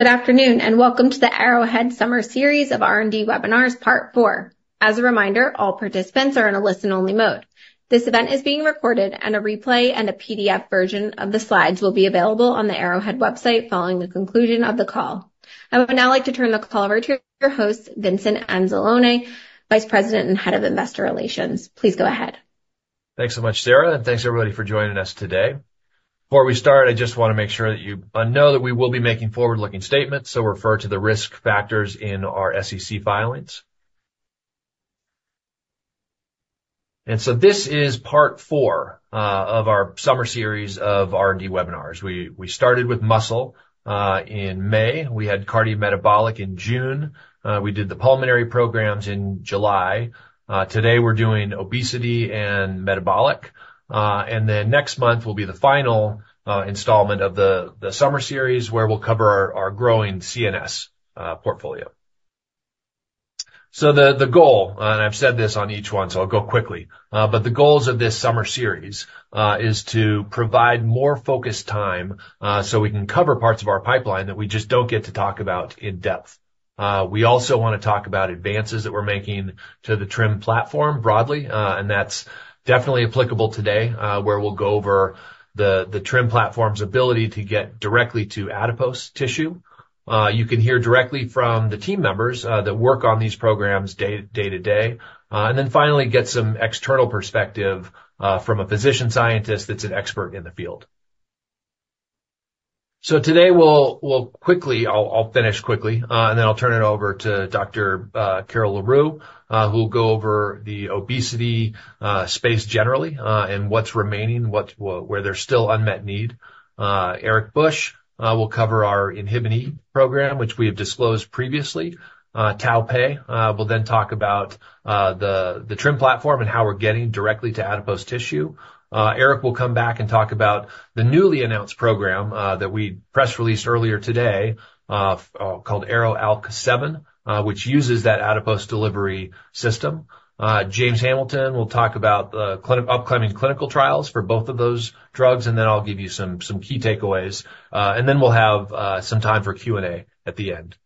Good afternoon, and welcome to the Arrowhead Summer Series of R&D Webinars, Part four. As a reminder, all participants are in a listen-only mode. This event is being recorded, and a replay and a PDF version of the slides will be available on the Arrowhead website following the conclusion of the call. I would now like to turn the call over to your host, Vincent Anzalone, Vice President and Head of Investor Relations. Please go ahead. Thanks so much, Sarah, and thanks, everybody, for joining us today. Before we start, I just wanna make sure that you know that we will be making forward-looking statements, so refer to the risk factors in our SEC filings. And so this is Part four of our summer series of R&D webinars. We started with muscle in May. We had cardiometabolic in June. We did the pulmonary programs in July. Today, we're doing obesity and metabolic. And then next month will be the final installment of the summer series, where we'll cover our growing CNS portfolio. So the goal, and I've said this on each one, so I'll go quickly. But the goals of this summer series is to provide more focused time, so we can cover parts of our pipeline that we just don't get to talk about in depth. We also wanna talk about advances that we're making to the TRiM platform broadly, and that's definitely applicable today, where we'll go over the TRiM platform's ability to get directly to adipose tissue. You can hear directly from the team members that work on these programs day to day, and then finally, get some external perspective from a physician scientist that's an expert in the field. So today, we'll quickly... I'll finish quickly, and then I'll turn it over to Dr. Carel le Roux, who'll go over the obesity space generally, and what's remaining, where there's still unmet need. Eric Bush will cover our Inhibin E program, which we have disclosed previously. Tao Pei will then talk about the TRiM platform and how we're getting directly to adipose tissue. Eric will come back and talk about the newly announced program that we press released earlier today, called ARO-ALK7, which uses that adipose delivery system. James Hamilton will talk about the upcoming clinical trials for both of those drugs, and then I'll give you some key takeaways. Then we'll have some time for Q&A at the end.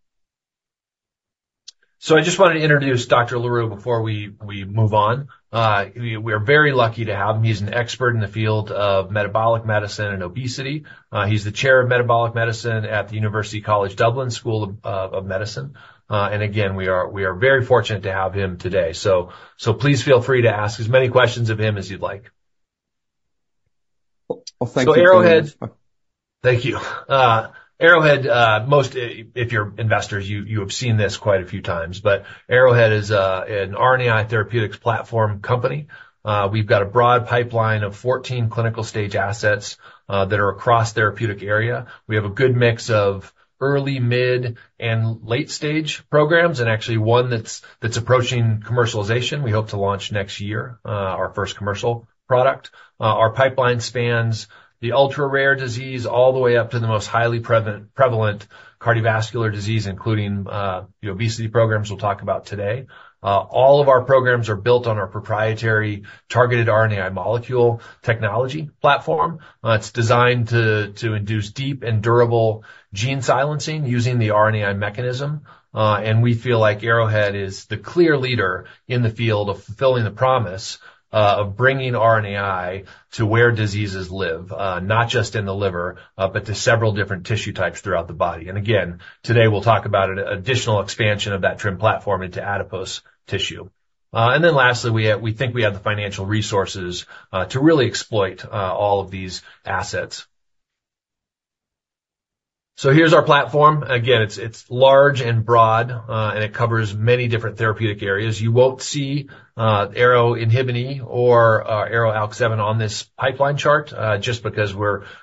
So I just wanted to introduce Dr. le Roux before we move on. We are very lucky to have him. He's an expert in the field of metabolic medicine and obesity. He's the Chair of Metabolic Medicine at the University College Dublin School of Medicine. And again, we are very fortunate to have him today. So please feel free to ask as many questions of him as you'd like. Well, thank you very much. Thank you. Arrowhead, most if you're investors, you have seen this quite a few times, but Arrowhead is an RNAi therapeutics platform company. We've got a broad pipeline of 14 clinical stage assets that are across therapeutic area. We have a good mix of early, mid, and late-stage programs, and actually one that's approaching commercialization. We hope to launch next year our first commercial product. Our pipeline spans the ultra-rare disease, all the way up to the most highly prevalent cardiovascular disease, including the obesity programs we'll talk about today. All of our programs are built on our proprietary targeted RNAi molecule technology platform. It's designed to induce deep and durable gene silencing using the RNAi mechanism. We feel like Arrowhead is the clear leader in the field of fulfilling the promise of bringing RNAi to where diseases live, not just in the liver, but to several different tissue types throughout the body. And again, today, we'll talk about an additional expansion of that TRiM platform into adipose tissue. And then lastly, we have. We think we have the financial resources to really exploit all of these assets. So here's our platform. Again, it's large and broad, and it covers many different therapeutic areas. You won't see ARO-INHBE or ARO-ALK7 on this pipeline chart, just because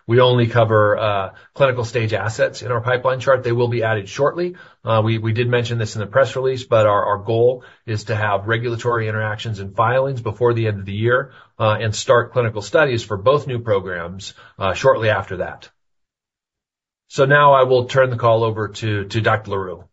we only cover clinical stage assets in our pipeline chart. They will be added shortly. We did mention this in the press release, but our goal is to have regulatory interactions and filings before the end of the year, and start clinical studies for both new programs shortly after that. So now I will turn the call over to Dr. le Roux.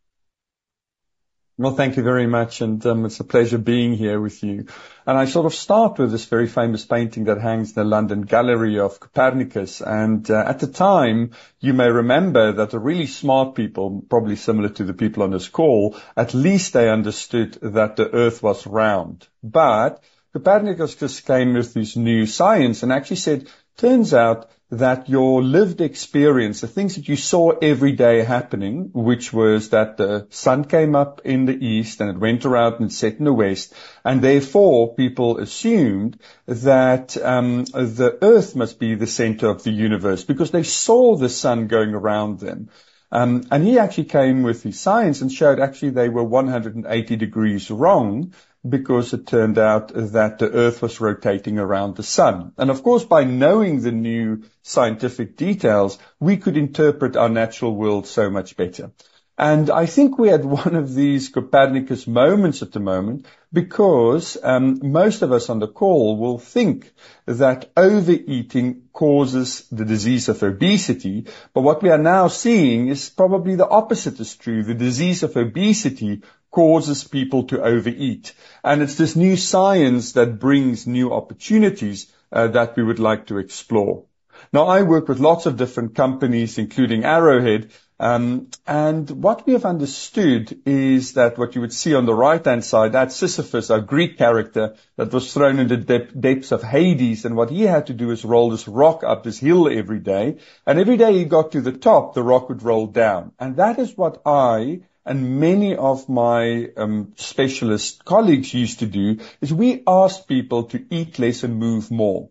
Well, thank you very much, and it's a pleasure being here with you. I sort of start with this very famous painting that hangs in the National Gallery in London, and at the time, you may remember that the really smart people, probably similar to the people on this call, at least they understood that the Earth was round. But Copernicus just came with this new science and actually said, "Turns out that your lived experience, the things that you saw every day happening," which was that the sun came up in the east, and it went around and set in the west, and therefore, people assumed that the Earth must be the center of the universe because they saw the sun going around them. And he actually came with the science and showed actually they were 180 degrees wrong because it turned out that the Earth was rotating around the sun. And of course, by knowing the new scientific details, we could interpret our natural world so much better. And I think we had one of these Copernicus moments at the moment because most of us on the call will think that overeating causes the disease of obesity, but what we are now seeing is probably the opposite is true. The disease of obesity causes people to overeat, and it's this new science that brings new opportunities that we would like to explore... Now, I work with lots of different companies, including Arrowhead. And what we have understood is that what you would see on the right-hand side, that's Sisyphus, a Greek character that was thrown in the depths of Hades, and what he had to do is roll this rock up this hill every day. And every day he got to the top, the rock would roll down. And that is what I and many of my specialist colleagues used to do, is we asked people to eat less and move more.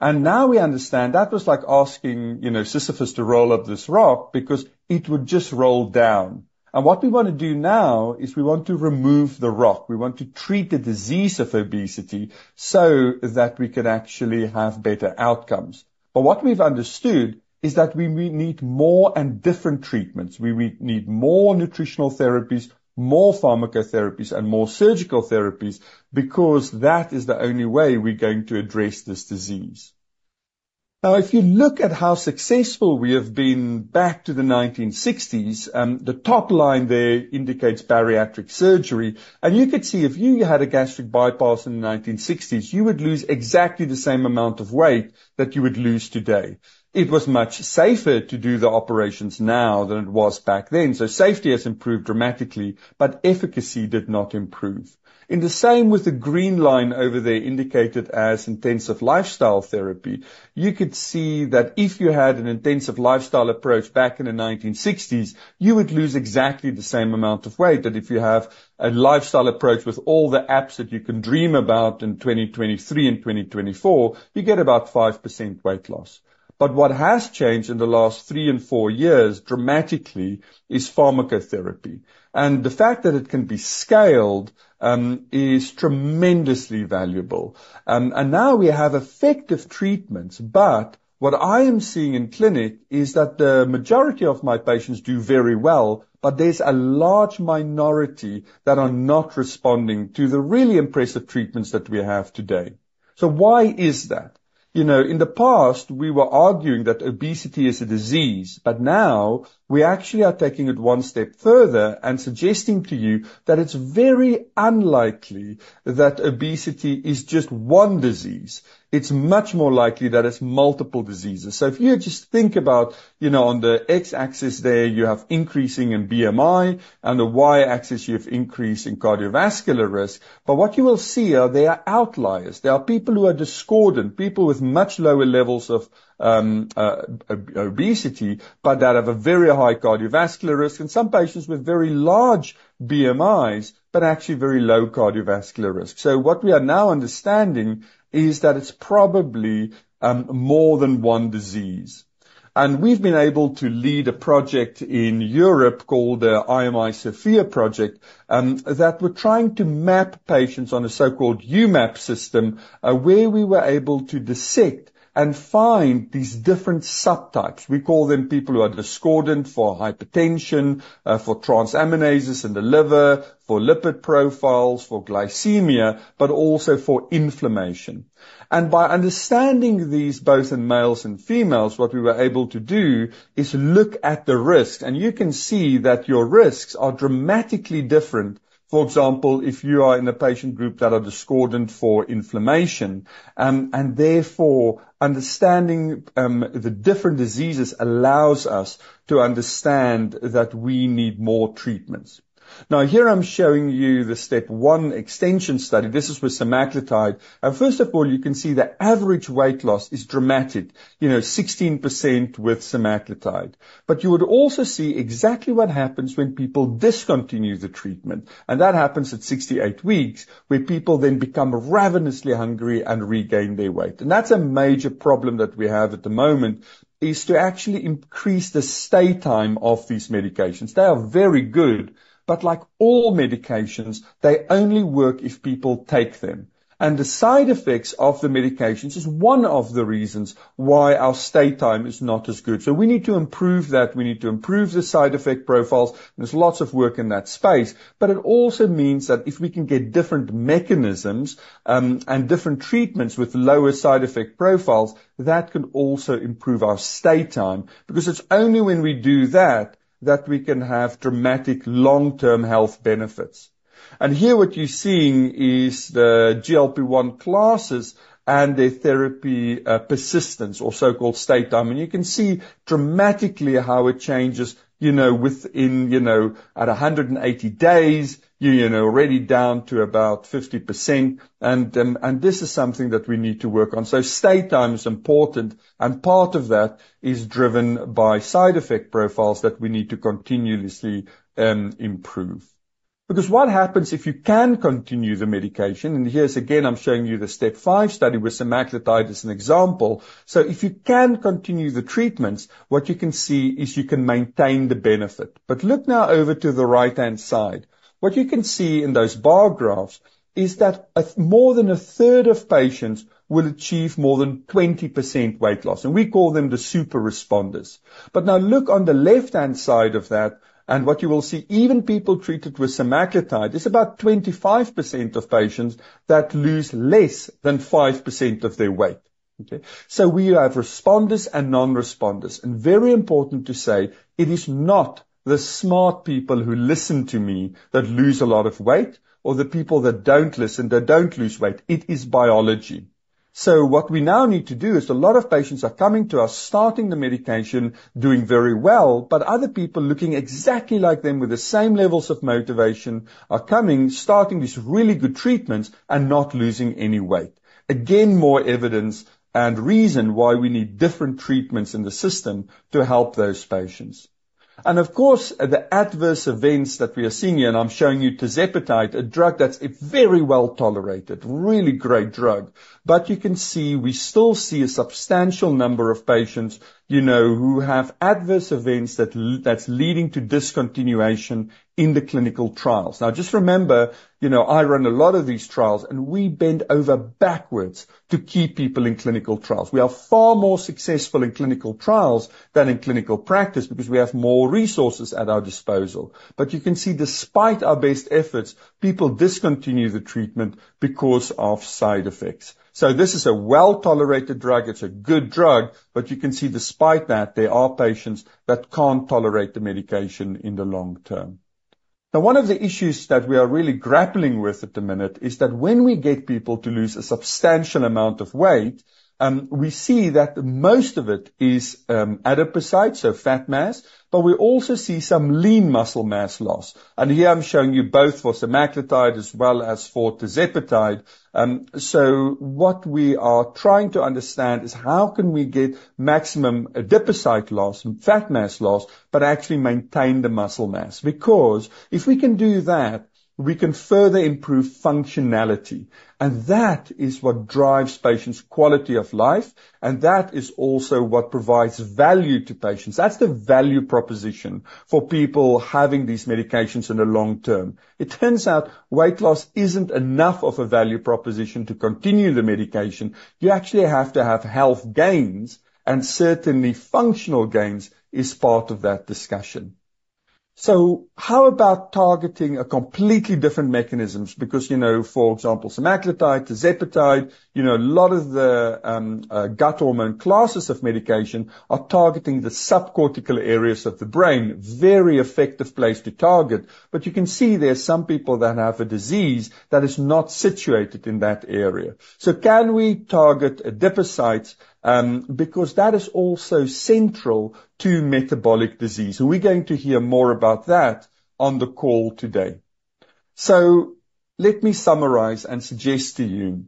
And now we understand that was like asking, you know, Sisyphus to roll up this rock because it would just roll down. And what we wanna do now is we want to remove the rock. We want to treat the disease of obesity so that we can actually have better outcomes. But what we've understood is that we need more and different treatments. We, we need more nutritional therapies, more pharmacotherapies, and more surgical therapies, because that is the only way we're going to address this disease. Now, if you look at how successful we have been back to the 1960s, the top line there indicates bariatric surgery. And you could see if you had a gastric bypass in the 1960s, you would lose exactly the same amount of weight that you would lose today. It was much safer to do the operations now than it was back then, so safety has improved dramatically, but efficacy did not improve. And the same with the green line over there, indicated as intensive lifestyle therapy. You could see that if you had an intensive lifestyle approach back in the 1960s, you would lose exactly the same amount of weight that if you have a lifestyle approach with all the apps that you can dream about in 2023 and 2024, you get about 5% weight loss. But what has changed in the last three and four years dramatically is pharmacotherapy, and the fact that it can be scaled, is tremendously valuable. And now we have effective treatments, but what I am seeing in clinic is that the majority of my patients do very well, but there's a large minority that are not responding to the really impressive treatments that we have today. So why is that? You know, in the past, we were arguing that obesity is a disease, but now we actually are taking it one step further and suggesting to you that it's very unlikely that obesity is just one disease. It's much more likely that it's multiple diseases. So if you just think about, you know, on the X-axis there, you have increasing in BMI, and the Y-axis, you have increase in cardiovascular risk. But what you will see are there are outliers. There are people who are discordant, people with much lower levels of obesity, but that have a very high cardiovascular risk, and some patients with very large BMIs, but actually very low cardiovascular risk. So what we are now understanding is that it's probably more than one disease. And we've been able to lead a project in Europe called the IMI SOPHIA project, that we're trying to map patients on a so-called UMAP system, where we were able to dissect and find these different subtypes. We call them people who are discordant for hypertension, for transaminases in the liver, for lipid profiles, for glycemia, but also for inflammation. And by understanding these, both in males and females, what we were able to do is look at the risk, and you can see that your risks are dramatically different. For example, if you are in a patient group that are discordant for inflammation, and therefore, understanding, the different diseases allows us to understand that we need more treatments. Now, here I'm showing you the STEP 1 extension study. This is with semaglutide. And first of all, you can see the average weight loss is dramatic, you know, 16% with semaglutide. But you would also see exactly what happens when people discontinue the treatment, and that happens at 68 weeks, where people then become ravenously hungry and regain their weight. And that's a major problem that we have at the moment, is to actually increase the stay time of these medications. They are very good, but like all medications, they only work if people take them. And the side effects of the medications is one of the reasons why our stay time is not as good. So we need to improve that. We need to improve the side effect profiles. There's lots of work in that space. But it also means that if we can get different mechanisms, and different treatments with lower side effect profiles, that can also improve our stay time, because it's only when we do that, that we can have dramatic long-term health benefits. And here what you're seeing is the GLP-1 classes and their therapy, persistence or so-called stay time. And you can see dramatically how it changes, you know, within, you know, at 180 days, you know, already down to about 50%. And this is something that we need to work on. So stay time is important, and part of that is driven by side effect profiles that we need to continuously, improve. Because what happens if you can continue the medication, and here's again, I'm showing you the STEP 5 study with semaglutide as an example. So if you can continue the treatments, what you can see is you can maintain the benefit. But look now over to the right-hand side. What you can see in those bar graphs is that more than a third of patients will achieve more than 20% weight loss, and we call them the super responders. But now look on the left-hand side of that, and what you will see, even people treated with semaglutide, it's about 25% of patients that lose less than 5% of their weight. Okay? So we have responders and non-responders. And very important to say, it is not the smart people who listen to me that lose a lot of weight, or the people that don't listen, that don't lose weight. It is biology.... So what we now need to do is, a lot of patients are coming to us, starting the medication, doing very well, but other people looking exactly like them with the same levels of motivation are coming, starting these really good treatments and not losing any weight. Again, more evidence and reason why we need different treatments in the system to help those patients. And, of course, the adverse events that we are seeing here, and I'm showing you tirzepatide, a drug that's a very well-tolerated, really great drug. But you can see, we still see a substantial number of patients, you know, who have adverse events that's leading to discontinuation in the clinical trials. Now, just remember, you know, I run a lot of these trials, and we bend over backwards to keep people in clinical trials. We are far more successful in clinical trials than in clinical practice because we have more resources at our disposal. But you can see, despite our best efforts, people discontinue the treatment because of side effects. So this is a well-tolerated drug. It's a good drug, but you can see despite that, there are patients that can't tolerate the medication in the long term. Now, one of the issues that we are really grappling with at the minute is that when we get people to lose a substantial amount of weight, we see that most of it is adipocytes, so fat mass, but we also see some lean muscle mass loss. Here I'm showing you both for semaglutide as well as for tirzepatide. So what we are trying to understand is how can we get maximum adipocyte loss and fat mass loss, but actually maintain the muscle mass? Because if we can do that, we can further improve functionality, and that is what drives patients' quality of life, and that is also what provides value to patients. That's the value proposition for people having these medications in the long term. It turns out weight loss isn't enough of a value proposition to continue the medication. You actually have to have health gains, and certainly functional gains is part of that discussion. So how about targeting a completely different mechanisms? Because, you know, for example, semaglutide, tirzepatide, you know, a lot of the gut hormone classes of medication are targeting the subcortical areas of the brain, very effective place to target. You can see there are some people that have a disease that is not situated in that area. Can we target adipocytes, because that is also central to metabolic disease, and we're going to hear more about that on the call today. Let me summarize and suggest to you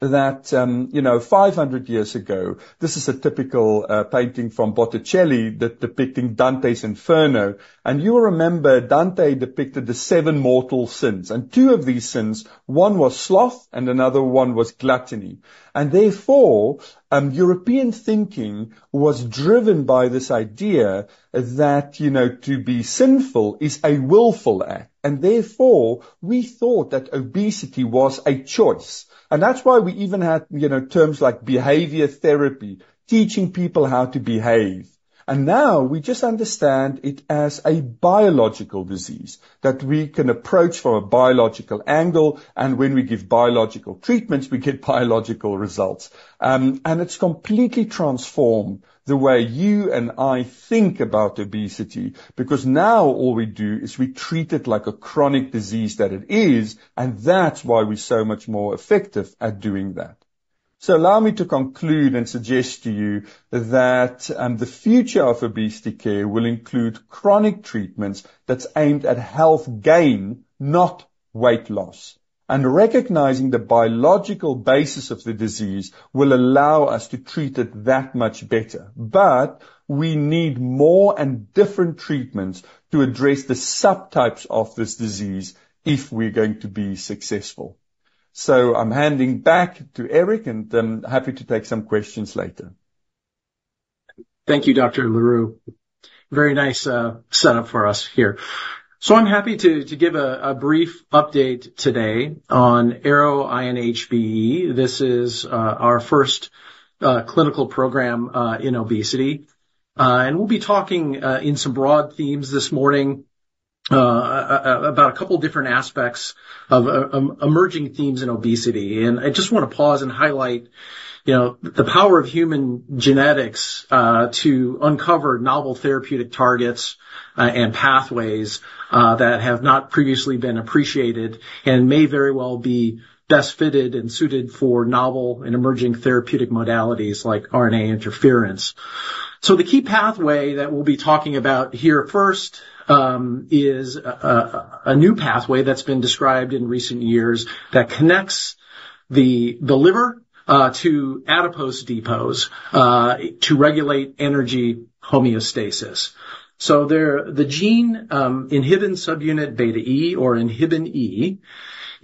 that, you know, 500 years ago, this is a typical painting from Botticelli, depicting Dante's Inferno. You'll remember, Dante depicted the seven mortal sins, and two of these sins, one was sloth and another one was gluttony. Therefore, European thinking was driven by this idea that, you know, to be sinful is a willful act, and therefore, we thought that obesity was a choice. That's why we even had, you know, terms like behavior therapy, teaching people how to behave. Now we just understand it as a biological disease that we can approach from a biological angle, and when we give biological treatments, we get biological results. It's completely transformed the way you and I think about obesity, because now all we do is we treat it like a chronic disease that it is, and that's why we're so much more effective at doing that. Allow me to conclude and suggest to you that the future of obesity care will include chronic treatments that's aimed at health gain, not weight loss. Recognizing the biological basis of the disease will allow us to treat it that much better. But we need more and different treatments to address the subtypes of this disease if we're going to be successful. I'm handing back to Eric, and I'm happy to take some questions later. Thank you, Dr. le Roux. Very nice setup for us here. So I'm happy to give a brief update today on ARO-INHBE. This is our first clinical program in obesity. And we'll be talking in some broad themes this morning about a couple different aspects of emerging themes in obesity. And I just wanna pause and highlight, you know, the power of human genetics to uncover novel therapeutic targets and pathways that have not previously been appreciated and may very well be best fitted and suited for novel and emerging therapeutic modalities like RNA interference. So the key pathway that we'll be talking about here first is a new pathway that's been described in recent years that connects the liver to adipose depots to regulate energy homeostasis. So the gene, inhibin subunit beta E or Inhibin E,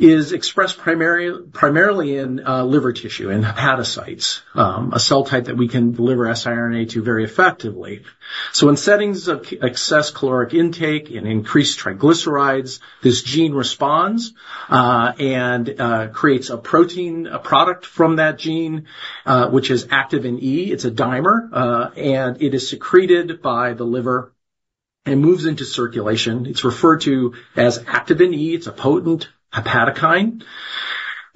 is expressed primarily in liver tissue, in hepatocytes, a cell type that we can deliver siRNA to very effectively. So in settings of excess caloric intake and increased triglycerides, this gene responds, and creates a protein, a product from that gene, which is Activin E. It's a dimer, and it is secreted by the liver and moves into circulation. It's referred to as Activin E. It's a potent hepatokine.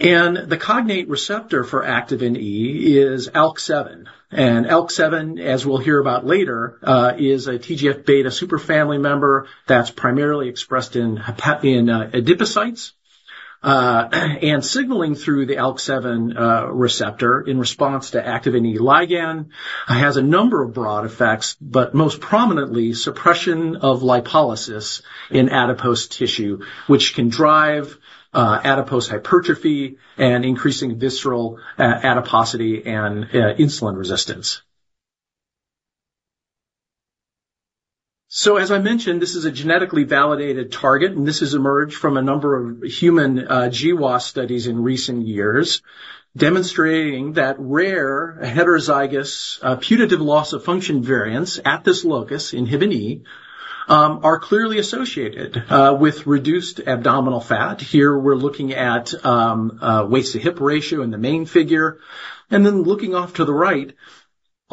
And the cognate receptor for Activin E is ALK7. And ALK7, as we'll hear about later, is a TGF-beta superfamily member that's primarily expressed in adipocytes.... and signaling through the ALK7 receptor in response to Activin E ligand has a number of broad effects, but most prominently, suppression of lipolysis in adipose tissue, which can drive adipose hypertrophy and increasing visceral adiposity and insulin resistance. So as I mentioned, this is a genetically validated target, and this has emerged from a number of human GWAS studies in recent years, demonstrating that rare heterozygous putative loss-of-function variants at this locus, Inhibin E, are clearly associated with reduced abdominal fat. Here, we're looking at waist-to-hip ratio in the main figure, and then looking off to the right,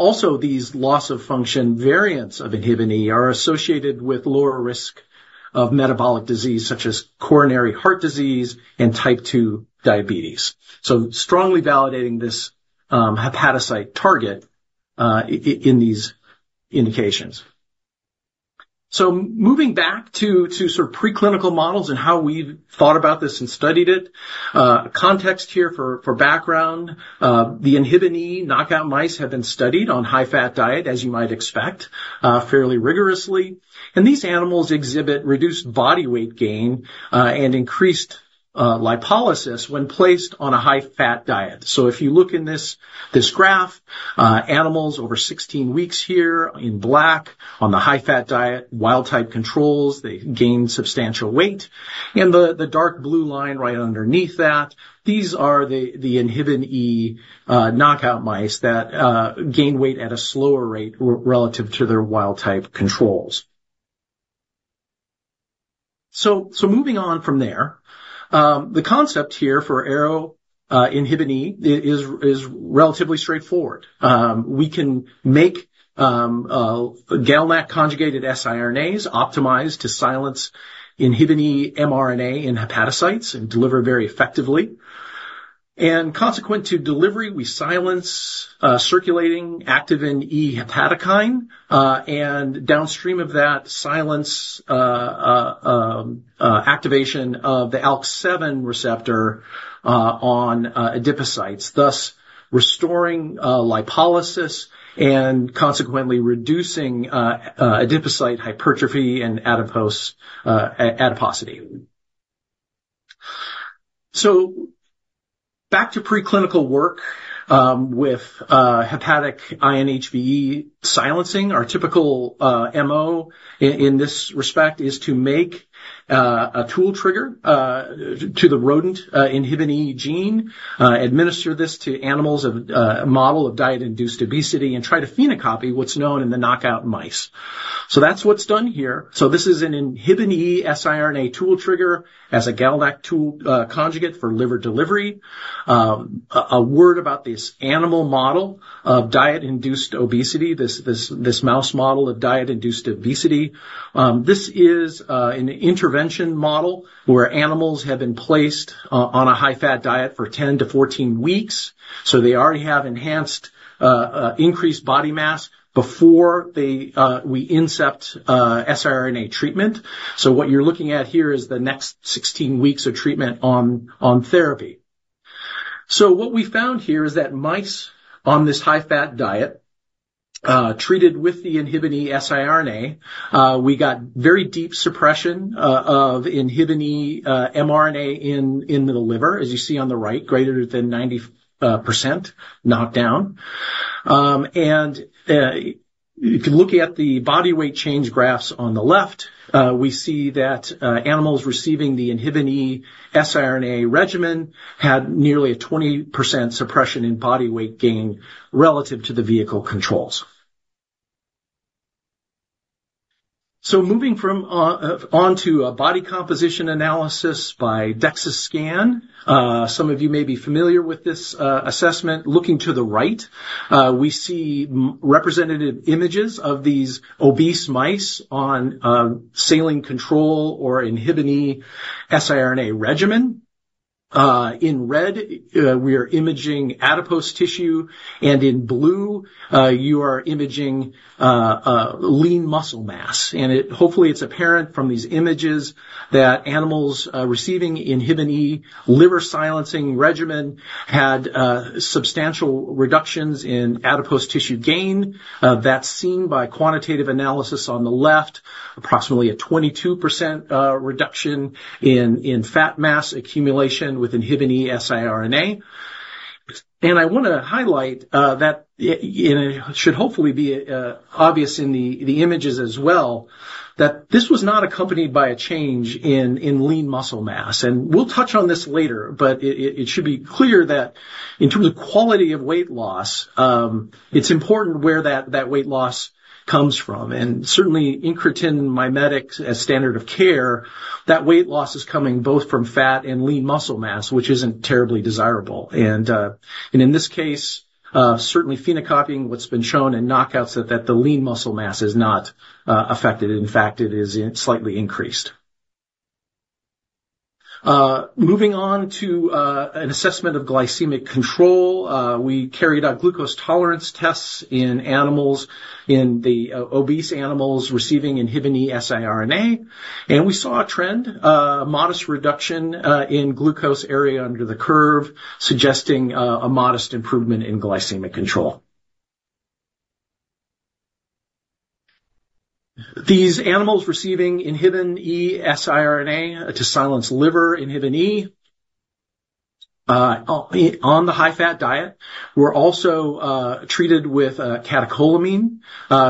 also, these loss-of-function variants of Inhibin E are associated with lower risk of metabolic disease, such as coronary heart disease and type two diabetes. So strongly validating this hepatocyte target in these indications. So moving back to sort of preclinical models and how we've thought about this and studied it, context here for background, the INHBE knockout mice have been studied on high-fat diet, as you might expect, fairly rigorously. And these animals exhibit reduced body weight gain and increased lipolysis when placed on a high-fat diet. So if you look in this graph, animals over 16 weeks here in black on the high-fat diet, wild-type controls, they gain substantial weight. And the dark blue line right underneath that, these are the INHBE knockout mice that gain weight at a slower rate relative to their wild-type controls. So moving on from there, the concept here for ARO-INHBE is relatively straightforward. We can make GalNAc conjugated siRNAs optimized to silence Inhibin E mRNA in hepatocytes and deliver very effectively. And consequent to delivery, we silence circulating Activin E hepatokine, and downstream of that, silence activation of the ALK7 receptor on adipocytes, thus restoring lipolysis and consequently reducing adipocyte hypertrophy and adiposity. So back to preclinical work with hepatic INHBE silencing. Our typical MO in this respect is to make a tool trigger to the rodent Inhibin E gene, administer this to animals of a model of diet-induced obesity, and try to phenocopy what's known in the knockout mice. So that's what's done here. So this is an Inhibin E siRNA tool trigger as a GalNAc tool conjugate for liver delivery. A word about this animal model of diet-induced obesity, this mouse model of diet-induced obesity. This is an intervention model where animals have been placed on a high-fat diet for 10-14 weeks, so they already have enhanced increased body mass before they, we incept siRNA treatment. So what you're looking at here is the next 16 weeks of treatment on therapy. So what we found here is that mice on this high-fat diet treated with the Inhibin E siRNA, we got very deep suppression of Inhibin E mRNA in the liver, as you see on the right, greater than 90% knockdown. If you look at the body weight change graphs on the left, we see that animals receiving the Inhibin E siRNA regimen had nearly a 20% suppression in body weight gain relative to the vehicle controls. So, moving onto a body composition analysis by DEXA scan, some of you may be familiar with this assessment. Looking to the right, we see representative images of these obese mice on saline control or Inhibin E siRNA regimen. In red, we are imaging adipose tissue, and in blue, you are imaging lean muscle mass. And it... hopefully, it's apparent from these images that animals receiving Inhibin E liver silencing regimen had substantial reductions in adipose tissue gain. That's seen by quantitative analysis on the left, approximately a 22% reduction in fat mass accumulation with Inhibin E siRNA. And I wanna highlight that and it should hopefully be obvious in the images as well, that this was not accompanied by a change in lean muscle mass. And we'll touch on this later, but it should be clear that in terms of quality of weight loss, it's important where that weight loss comes from. And certainly, incretin mimetics as standard of care, that weight loss is coming both from fat and lean muscle mass, which isn't terribly desirable. And in this case, certainly phenocopying what's been shown in knockouts, that the lean muscle mass is not affected. In fact, it is slightly increased. Moving on to an assessment of glycemic control. We carried out glucose tolerance tests in animals, in the obese animals receiving Inhibin E siRNA, and we saw a trend, a modest reduction in glucose area under the curve, suggesting a modest improvement in glycemic control. These animals receiving Inhibin E siRNA to silence liver Inhibin E, on the high-fat diet, were also treated with catecholamine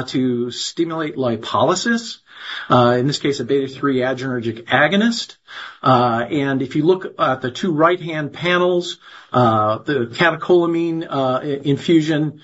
to stimulate lipolysis, in this case, a beta-3 adrenergic agonist. And if you look at the two right-hand panels, the catecholamine infusion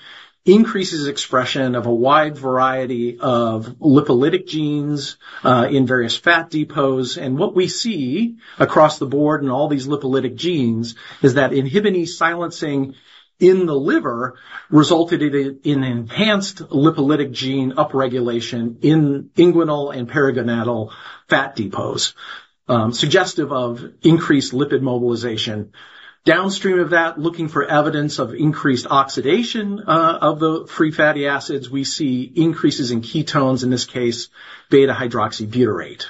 increases expression of a wide variety of lipolytic genes in various fat depots. What we see across the board in all these lipolytic genes is that Activin E silencing in the liver resulted in an enhanced lipolytic gene upregulation in inguinal and perigonadal fat depots, suggestive of increased lipid mobilization. Downstream of that, looking for evidence of increased oxidation of the free fatty acids, we see increases in ketones, in this case, beta-hydroxybutyrate.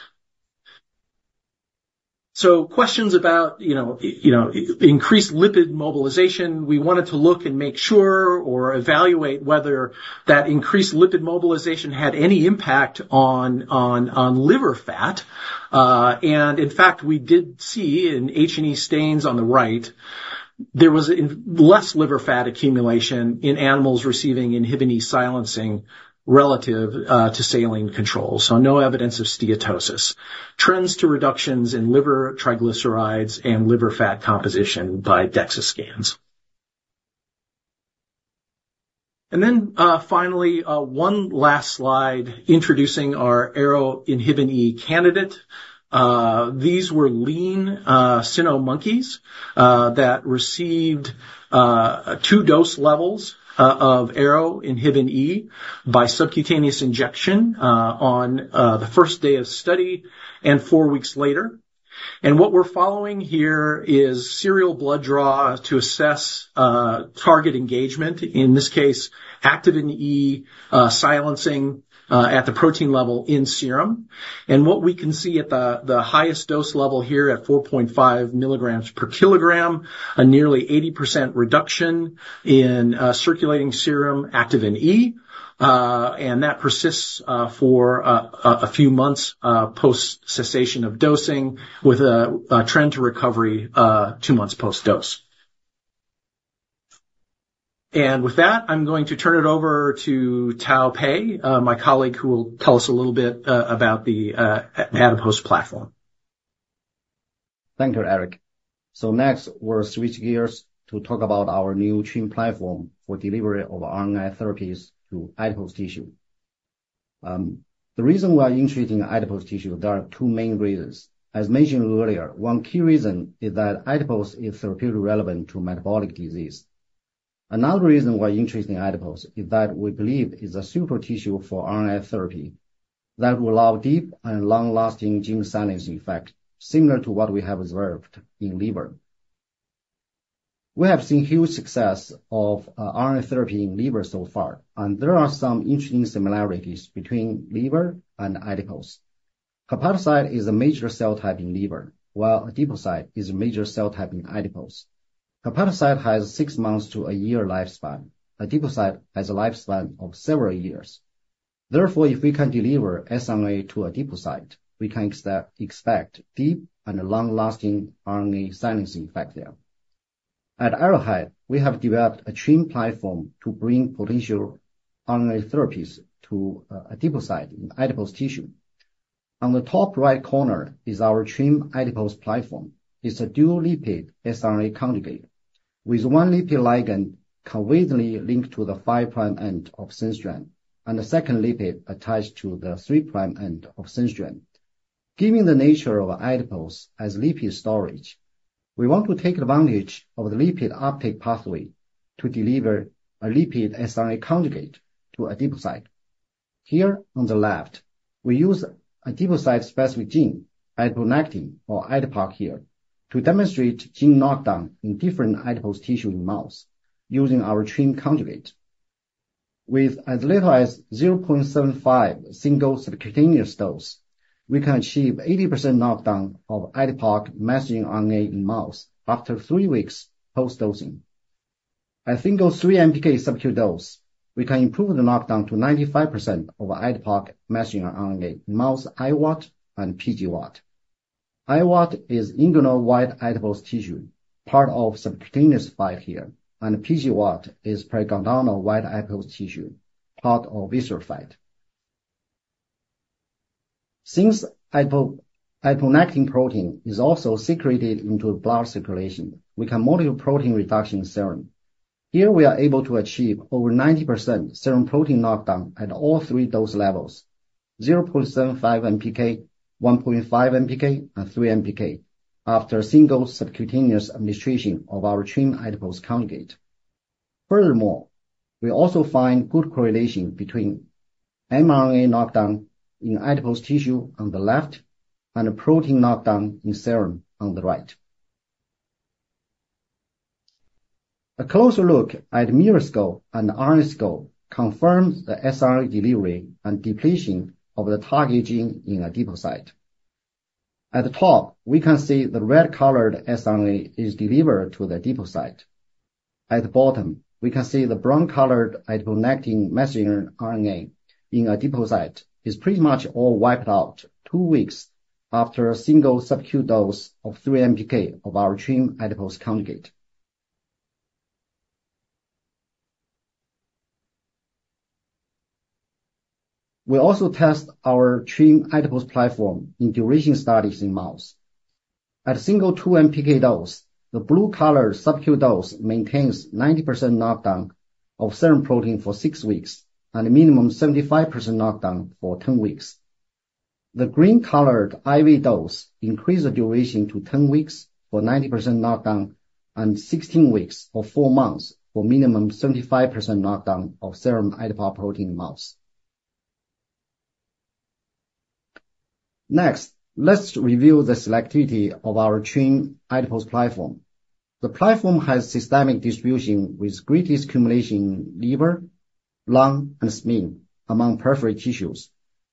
So questions about, you know, increased lipid mobilization, we wanted to look and make sure or evaluate whether that increased lipid mobilization had any impact on liver fat. In fact, we did see in H&E stains on the right, there was less liver fat accumulation in animals receiving Activin E silencing relative to saline controls. So no evidence of steatosis. Trends to reductions in liver triglycerides and liver fat composition by DEXA scans. And then, finally, one last slide introducing our ARO-INHBE candidate. These were lean, cyno monkeys that received 2 dose levels of ARO-INHBE by subcutaneous injection on the first day of study and 4 weeks later. And what we're following here is serial blood draw to assess target engagement, in this case, Activin E silencing at the protein level in serum. And what we can see at the highest dose level here, at 4.5 milligrams per kilogram, a nearly 80% reduction in circulating serum Activin E, and that persists for a few months post-cessation of dosing, with a trend to recovery 2 months post-dose. With that, I'm going to turn it over to Tao Pei, my colleague, who will tell us a little bit about the adipose platform. Thank you, Eric. So next, we'll switch gears to talk about our new TRiM platform for delivery of RNA therapies to adipose tissue. The reason why we're interested in adipose tissue, there are two main reasons. As mentioned earlier, one key reason is that adipose is therapeutically relevant to metabolic disease. Another reason why we're interested in adipose is that we believe it is a super tissue for RNA therapy that will allow deep and long-lasting gene silencing effect, similar to what we have observed in liver. We have seen huge success of RNA therapy in liver so far, and there are some interesting similarities between liver and adipose. Hepatocyte is a major cell type in liver, while adipocyte is a major cell type in adipose. Hepatocyte has 6 months to a year lifespan. Adipocyte has a lifespan of several years. Therefore, if we can deliver siRNA to adipocyte, we can expect deep and long-lasting RNA silencing effect there. At Arrowhead, we have developed a TRiM platform to bring potential RNA therapies to adipocyte in adipose tissue. On the top right corner is our TRiM adipose platform. It's a dual lipid siRNA conjugate, with one lipid ligand covalently linked to the five-prime end of sense strand, and the second lipid attached to the three-prime end of sense strand. Given the nature of adipose as lipid storage, we want to take advantage of the lipid uptake pathway to deliver a lipid siRNA conjugate to adipocyte. Here, on the left, we use adipocyte-specific gene, adiponectin or Adipoq here, to demonstrate gene knockdown in different adipose tissue in mouse using our TRiM conjugate. With as little as 0.75 single subcutaneous dose, we can achieve 80% knockdown of adiponectin messenger RNA in mouse after 3 weeks post-dosing. A single 3 MPK subQ dose, we can improve the knockdown to 95% over adiponectin messenger RNA in mouse iWAT and pWAT. iWAT is inguinal white adipose tissue, part of subcutaneous fat here, and pWAT is perigonadal white adipose tissue, part of visceral fat. Since adiponectin protein is also secreted into blood circulation, we can monitor protein reduction in serum. Here, we are able to achieve over 90% serum protein knockdown at all three dose levels, 0.75 MPK, 1.5 MPK, and 3 MPK, after a single subcutaneous administration of our TRiM adipose conjugate. Furthermore, we also find good correlation between mRNA knockdown in adipose tissue on the left, and a protein knockdown in serum on the right. A closer look at the microscope and the RNAscope confirms the siRNA delivery and depletion of the target gene in adipocyte. At the top, we can see the red-colored siRNA is delivered to the adipocyte. At the bottom, we can see the brown-colored adiponectin messenger RNA in adipocyte is pretty much all wiped out two weeks after a single subQ dose of 3 MPK of our TRiM adipose conjugate. We also test our TRiM adipose platform in duration studies in mouse. At a single 2 MPK dose, the blue-colored subQ dose maintains 90% knockdown of serum protein for six weeks, and a minimum 75% knockdown for 10 weeks. The green-colored IV dose increase the duration to 10 weeks for 90% knockdown and 16 weeks or 4 months for minimum 75% knockdown of serum adiponectin protein in mouse. Next, let's review the selectivity of our TRiM adipose platform. The platform has systemic distribution with greatest accumulation in liver, lung, and spleen among peripheral tissues.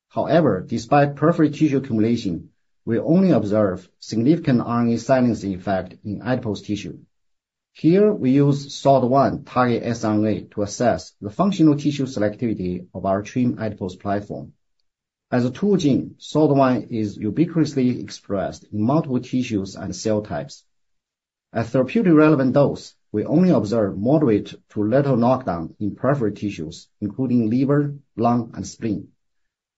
However, despite peripheral tissue accumulation, we only observe significant RNA silencing effect in adipose tissue. Here, we use SOD1 target siRNA to assess the functional tissue selectivity of our TRiM adipose platform. As a tool gene, SOD1 is ubiquitously expressed in multiple tissues and cell types. At therapeutically relevant dose, we only observe moderate to little knockdown in peripheral tissues, including liver, lung, and spleen.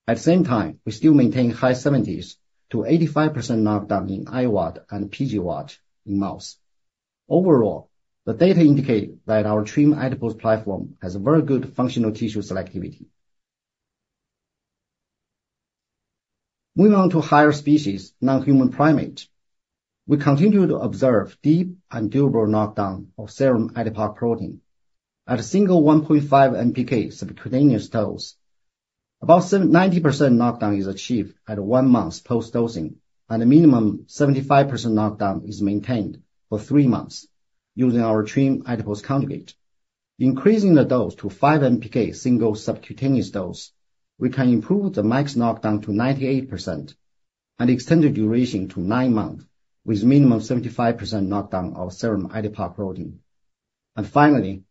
At the same time, we still maintain high 70s-85% knockdown in iWAT and pWAT in mouse. Overall, the data indicate that our TRiM adipose platform has a very good functional tissue selectivity. Moving on to higher species, non-human primate, we continue to observe deep and durable knockdown of serum adiponectin protein. At a single 1.5 MPK subcutaneous dose, about 70%-90% knockdown is achieved at 1 month post-dosing, and a minimum 75% knockdown is maintained for 3 months using our TRiM adipose conjugate. Increasing the dose to 5 MPK single subcutaneous dose, we can improve the max knockdown to 98% and extend the duration to 9 months, with minimum 75% knockdown of serum adiponectin. Finally,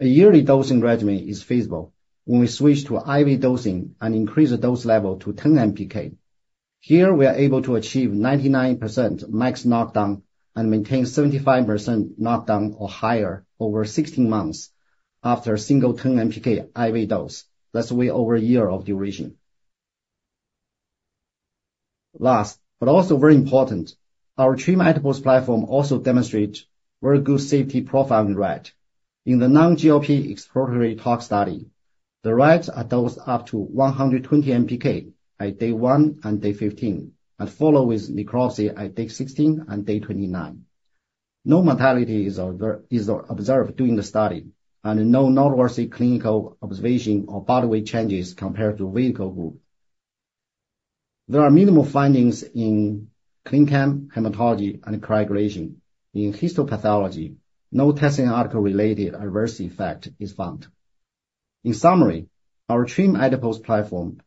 a yearly dosing regimen is feasible when we switch to IV dosing and increase the dose level to 10 MPK. Here, we are able to achieve 99% max knockdown and maintain 75% knockdown or higher over 16 months after a single 10 MPK IV dose. That's way over a year of duration. Last, but also very important, our TRiM adipose platform also demonstrates very good safety profile in rat. In the non-GLP exploratory tox study, the rats are dosed up to 120 MPK at day 1 and day 15, and follow with necropsy at day 16 and day 29. No mortality is observed during the study, and no noteworthy clinical observation or body weight changes compared to vehicle group. There are minimal findings in clin chem, hematology, and coagulation. In histopathology, no test article-related adverse effect is found. In summary, our TRiM adipose platform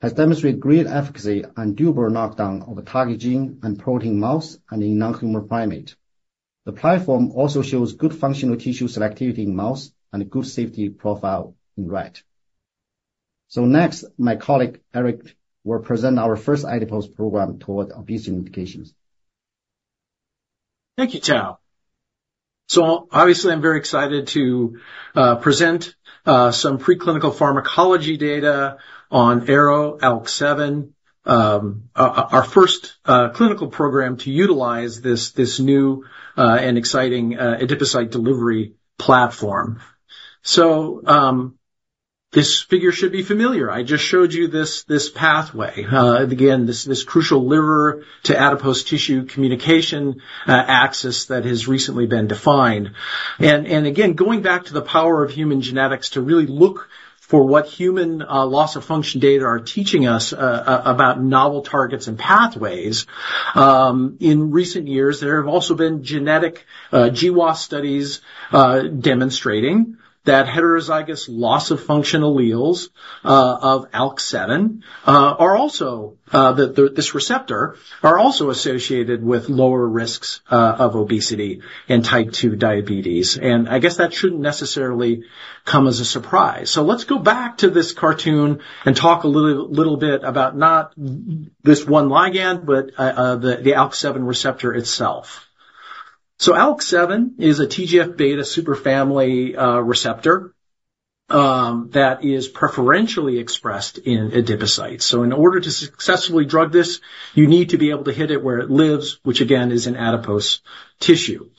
has demonstrated great efficacy and durable knockdown of the target gene and protein in mouse and in non-human primate. The platform also shows good functional tissue selectivity in mouse and a good safety profile in rat. So next, my colleague, Eric, will present our first adipose program toward obesity indications. Thank you, Tao. So obviously, I'm very excited to present some preclinical pharmacology data on ARO-ALK7, our first clinical program to utilize this new and exciting adipocyte delivery platform. So, this figure should be familiar. I just showed you this pathway. Again, this crucial liver to adipose tissue communication axis that has recently been defined. And again, going back to the power of human genetics to really look for what human loss of function data are teaching us about novel targets and pathways, in recent years, there have also been genetic GWAS studies demonstrating that heterozygous loss of function alleles of ALK7 are also this receptor are also associated with lower risks of obesity and type 2 diabetes. I guess that shouldn't necessarily come as a surprise. Let's go back to this cartoon and talk a little bit about not this one ligand, but the ALK7 receptor itself. ALK7 is a TGF-beta superfamily receptor that is preferentially expressed in adipocytes. In order to successfully drug this, you need to be able to hit it where it lives, which again, is in adipose tissue.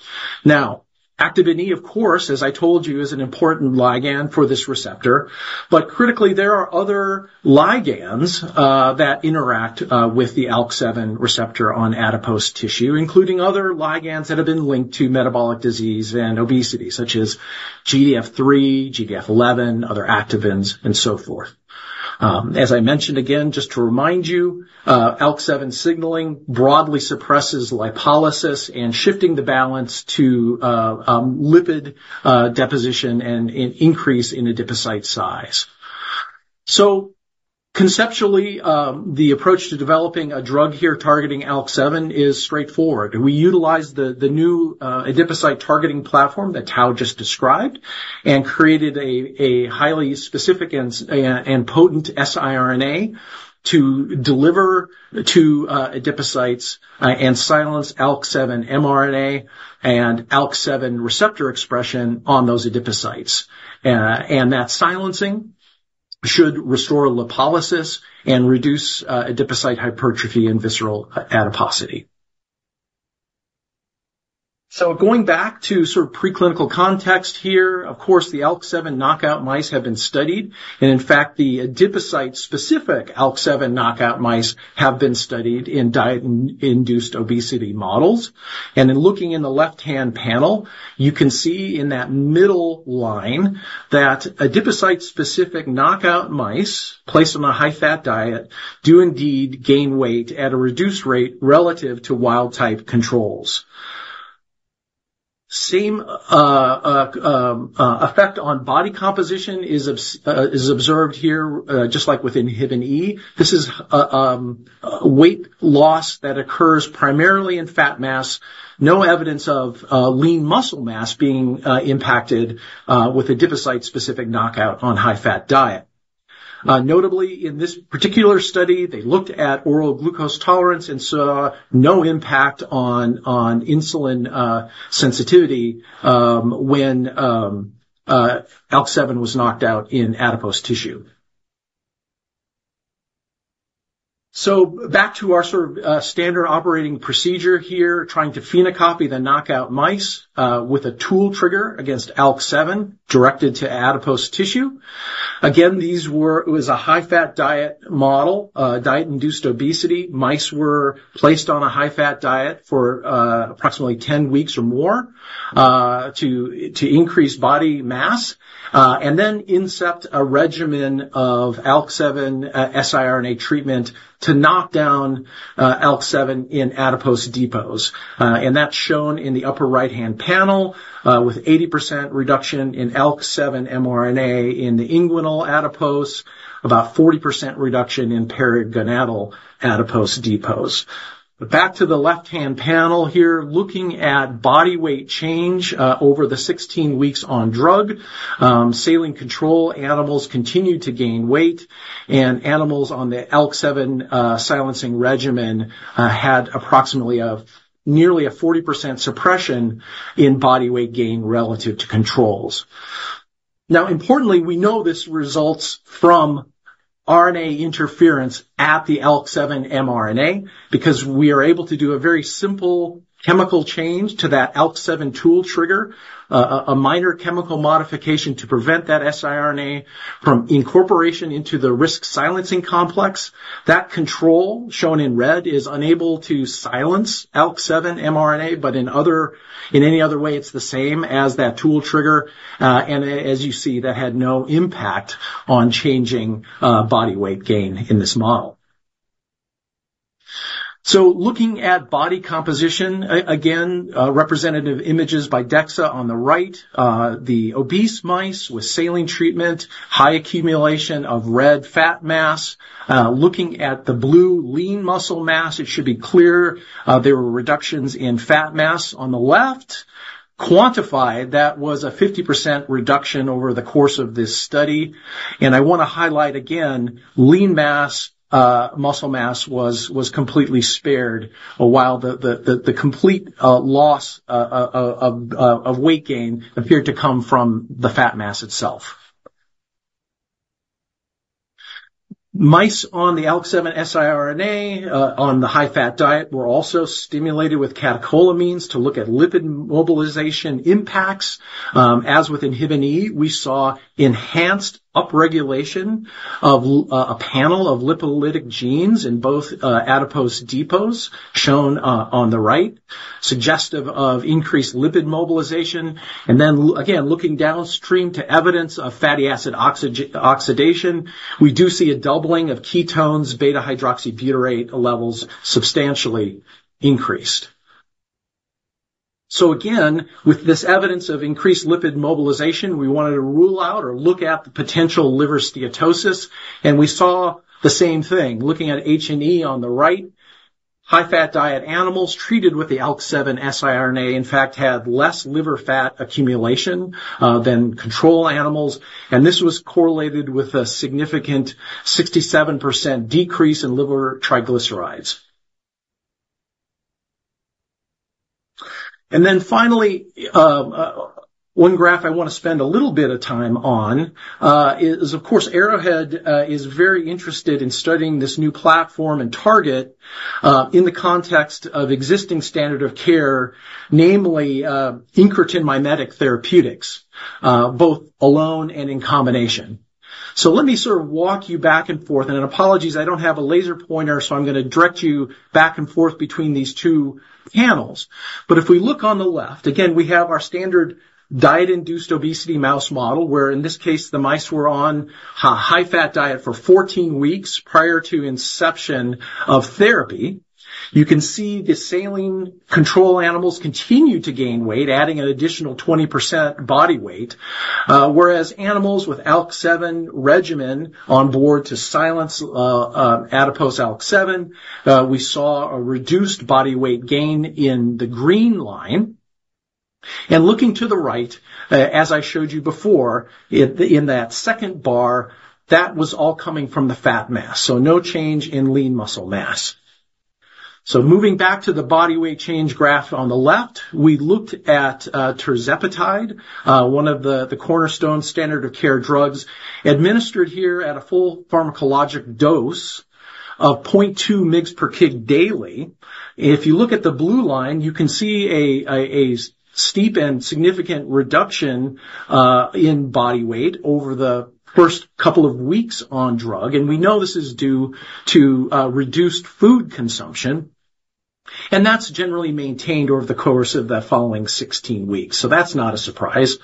Activin E, of course, as I told you, is an important ligand for this receptor. But critically, there are other ligands that interact with the ALK7 receptor on adipose tissue, including other ligands that have been linked to metabolic disease and obesity, such as GDF3, GDF11, other activins, and so forth. As I mentioned again, just to remind you, ALK7 signaling broadly suppresses lipolysis and shifting the balance to lipid deposition and an increase in adipocyte size. So conceptually, the approach to developing a drug here targeting ALK7 is straightforward. We utilize the new adipocyte targeting platform that Tao just described, and created a highly specific and potent siRNA to deliver to adipocytes and silence ALK7 mRNA and ALK7 receptor expression on those adipocytes. And that silencing should restore lipolysis and reduce adipocyte hypertrophy and visceral adiposity. So going back to sort of preclinical context here, of course, the ALK7 knockout mice have been studied, and in fact, the adipocyte-specific ALK7 knockout mice have been studied in diet-induced obesity models. In looking in the left-hand panel, you can see in that middle line that adipocyte-specific knockout mice, placed on a high-fat diet, do indeed gain weight at a reduced rate relative to wild-type controls. Same effect on body composition is observed here, just like with Activin E. This is weight loss that occurs primarily in fat mass. No evidence of lean muscle mass being impacted with adipocyte-specific knockout on high-fat diet. Notably, in this particular study, they looked at oral glucose tolerance and saw no impact on insulin sensitivity when ALK7 was knocked out in adipose tissue. Back to our sort of standard operating procedure here, trying to phenocopy the knockout mice with a tool trigger against ALK7, directed to adipose tissue. Again, these were—it was a high-fat diet model, diet-induced obesity. Mice were placed on a high-fat diet for approximately 10 weeks or more, to increase body mass, and then incept a regimen of ALK7 siRNA treatment to knock down ALK7 in adipose depots. And that's shown in the upper right-hand panel, with 80% reduction in ALK7 mRNA in the inguinal adipose, about 40% reduction in perigonadal adipose depots. But back to the left-hand panel here, looking at body weight change, over the 16 weeks on drug, saline control animals continued to gain weight, and animals on the ALK7 silencing regimen had approximately a nearly 40% suppression in body weight gain relative to controls. Now, importantly, we know this results from RNA interference at the ALK7 mRNA, because we are able to do a very simple chemical change to that ALK7 tool trigger, a minor chemical modification to prevent that siRNA from incorporation into the RISC silencing complex. That control, shown in red, is unable to silence ALK7 mRNA, but in any other way, it's the same as that tool trigger, and as you see, that had no impact on changing body weight gain in this model. So looking at body composition, again, representative images by DEXA on the right, the obese mice with saline treatment, high accumulation of red fat mass. Looking at the blue lean muscle mass, it should be clear, there were reductions in fat mass on the left. Quantified, that was a 50% reduction over the course of this study, and I want to highlight again, lean mass, muscle mass, was completely spared, while the complete loss of weight gain appeared to come from the fat mass itself. Mice on the ALK7 siRNA, on the high-fat diet, were also stimulated with catecholamines to look at lipid mobilization impacts. As with Inhibin E, we saw enhanced upregulation of a panel of lipolytic genes in both adipose depots, shown on the right, suggestive of increased lipid mobilization. And then again, looking downstream to evidence of fatty acid oxidation, we do see a doubling of ketones, beta-hydroxybutyrate levels substantially increased. So again, with this evidence of increased lipid mobilization, we wanted to rule out or look at the potential liver steatosis, and we saw the same thing. Looking at H&E on the right, high-fat diet animals treated with the ALK7 siRNA, in fact, had less liver fat accumulation than control animals, and this was correlated with a significant 67% decrease in liver triglycerides. And then finally, one graph I want to spend a little bit of time on is, of course, Arrowhead is very interested in studying this new platform and target in the context of existing standard of care, namely, incretin mimetic therapeutics, both alone and in combination. So let me sort of walk you back and forth, and apologies, I don't have a laser pointer, so I'm gonna direct you back and forth between these two panels. But if we look on the left, again, we have our standard diet-induced obesity mouse model, where in this case, the mice were on a high-fat diet for 14 weeks prior to inception of therapy. You can see the saline control animals continued to gain weight, adding an additional 20% body weight, whereas animals with ALK7 regimen on board to silence adipose ALK7, we saw a reduced body weight gain in the green line. And looking to the right, as I showed you before, in that second bar, that was all coming from the fat mass, so no change in lean muscle mass. So moving back to the body weight change graph on the left, we looked at tirzepatide, one of the cornerstone standard of care drugs, administered here at a full pharmacologic dose of 0.2 mgs per kg daily. If you look at the blue line, you can see a steep and significant reduction in body weight over the first couple of weeks on drug, and we know this is due to reduced food consumption, and that's generally maintained over the course of the following 16 weeks. So that's not a surprise.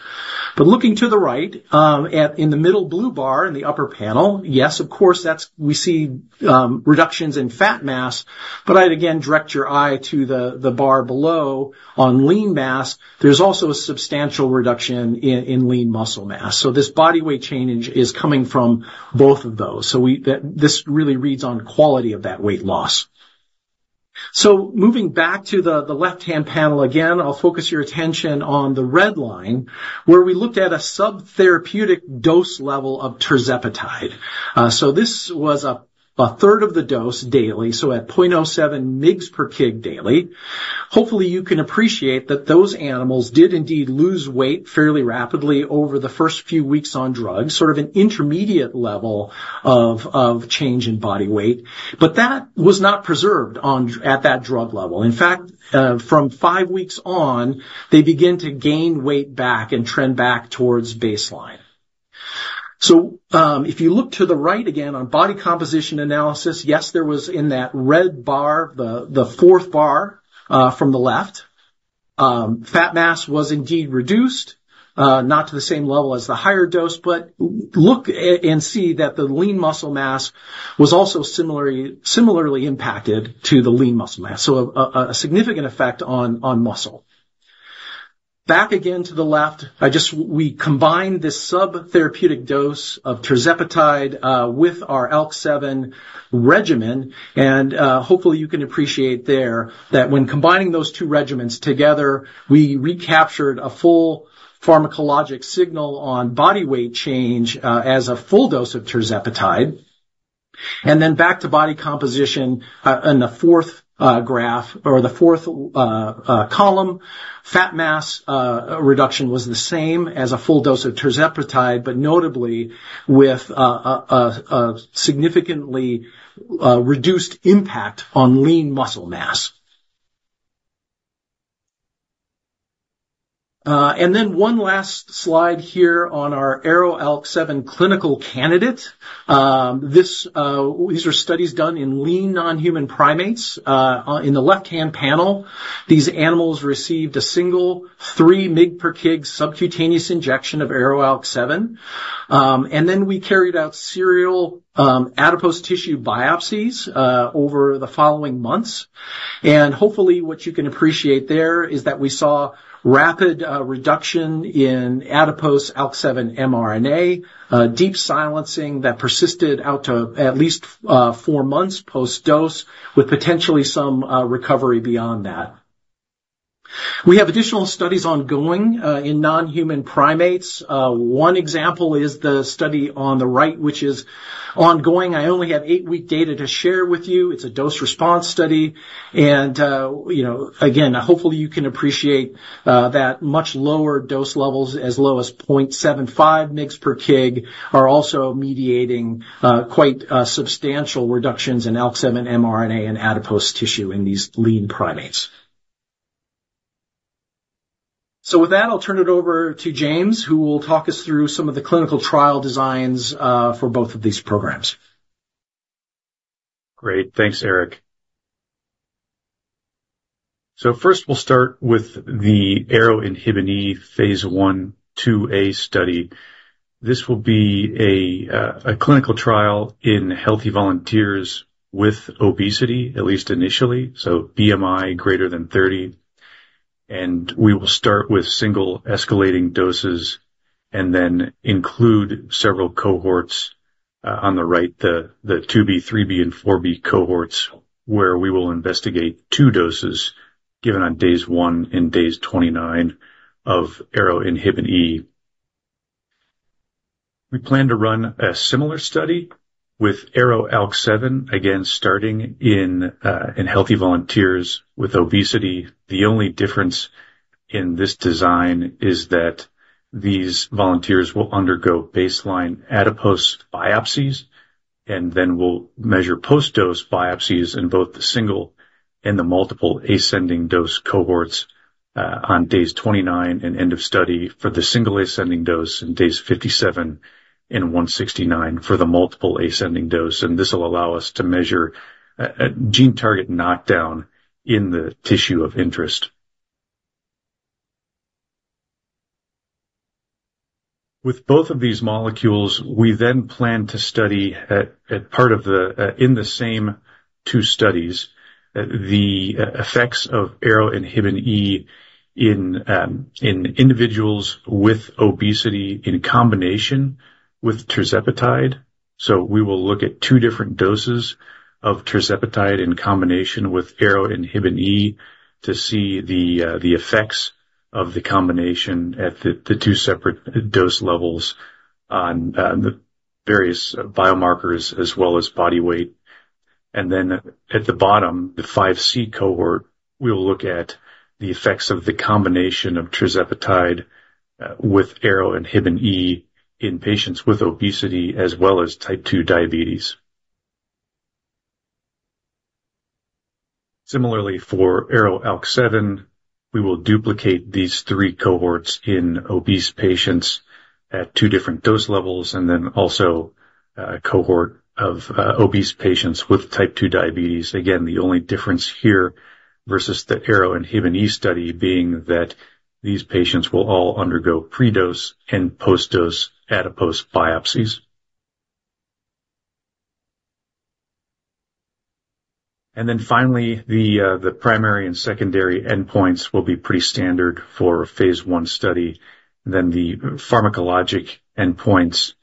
But looking to the right, at the middle blue bar in the upper panel, yes, of course, that's we see reductions in fat mass, but I'd again direct your eye to the bar below on lean mass. There's also a substantial reduction in lean muscle mass. So this body weight change is coming from both of those. So that this really reads on quality of that weight loss. So moving back to the left-hand panel, again, I'll focus your attention on the red line, where we looked at a subtherapeutic dose level of tirzepatide. So this was a third of the dose daily, so at 0.07 mg per kg daily. Hopefully, you can appreciate that those animals did indeed lose weight fairly rapidly over the first few weeks on drug, sort of an intermediate level of change in body weight, but that was not preserved at that drug level. In fact, from five weeks on, they begin to gain weight back and trend back towards baseline. So, if you look to the right, again, on body composition analysis, yes, there was in that red bar, the fourth bar from the left, fat mass was indeed reduced, not to the same level as the higher dose, but look and see that the lean muscle mass was also similarly, similarly impacted to the lean muscle mass, so a significant effect on muscle. Back again to the left, we combined this subtherapeutic dose of tirzepatide with our ALK-7 regimen, and hopefully, you can appreciate there that when combining those two regimens together, we recaptured a full pharmacologic signal on body weight change, as a full dose of tirzepatide. And then back to body composition, in the fourth graph or the fourth column, fat mass reduction was the same as a full dose of tirzepatide, but notably with a significantly reduced impact on lean muscle mass. And then one last slide here on our ARO-ALK7 clinical candidate. These are studies done in lean non-human primates. In the left-hand panel, these animals received a single 3 mg per kg subcutaneous injection of ARO-ALK7. And then we carried out serial adipose tissue biopsies over the following months. And hopefully, what you can appreciate there is that we saw rapid reduction in adipose ALK7 mRNA, deep silencing that persisted out to at least 4 months post-dose, with potentially some recovery beyond that. We have additional studies ongoing in non-human primates. One example is the study on the right, which is ongoing. I only have 8-week data to share with you. It's a dose-response study. You know, again, hopefully, you can appreciate that much lower dose levels, as low as 0.75 mg/kg, are also mediating quite substantial reductions in ALK7 mRNA and adipose tissue in these lean primates. So with that, I'll turn it over to James, who will talk us through some of the clinical trial designs for both of these programs. Great. Thanks, Eric. So first, we'll start with the ARO-INHBE phase I/IIa study. This will be a clinical trial in healthy volunteers with obesity, at least initially, so BMI greater than 30. We will start with single escalating doses and then include several cohorts on the right, the 2-B, 3-B, and 4-B cohorts, where we will investigate two doses given on days 1 and 29 of ARO-INHBE... We plan to run a similar study with ARO-ALK7, again, starting in healthy volunteers with obesity. The only difference in this design is that these volunteers will undergo baseline adipose biopsies, and then we'll measure post-dose biopsies in both the single and the multiple ascending dose cohorts on days 29 and end of study for the single ascending dose, and days 57 and 169 for the multiple ascending dose. This will allow us to measure a gene target knockdown in the tissue of interest. With both of these molecules, we then plan to study as part of the in the same two studies, the effects of ARO-INHBE in individuals with obesity in combination with tirzepatide. So we will look at two different doses of tirzepatide in combination with ARO-INHBE to see the effects of the combination at the two separate dose levels on the various biomarkers as well as body weight. And then at the bottom, the 5C cohort, we'll look at the effects of the combination of tirzepatide with ARO-INHBE in patients with obesity as well as type two diabetes. Similarly, for ARO-ALK7, we will duplicate these three cohorts in obese patients at 2 different dose levels, and then also a cohort of obese patients with type 2 diabetes. Again, the only difference here versus the ARO-INHBE study being that these patients will all undergo pre-dose and post-dose adipose biopsies. And then finally, the primary and secondary endpoints will be pretty standard for phase 1 study, then the pharmacologic endpoints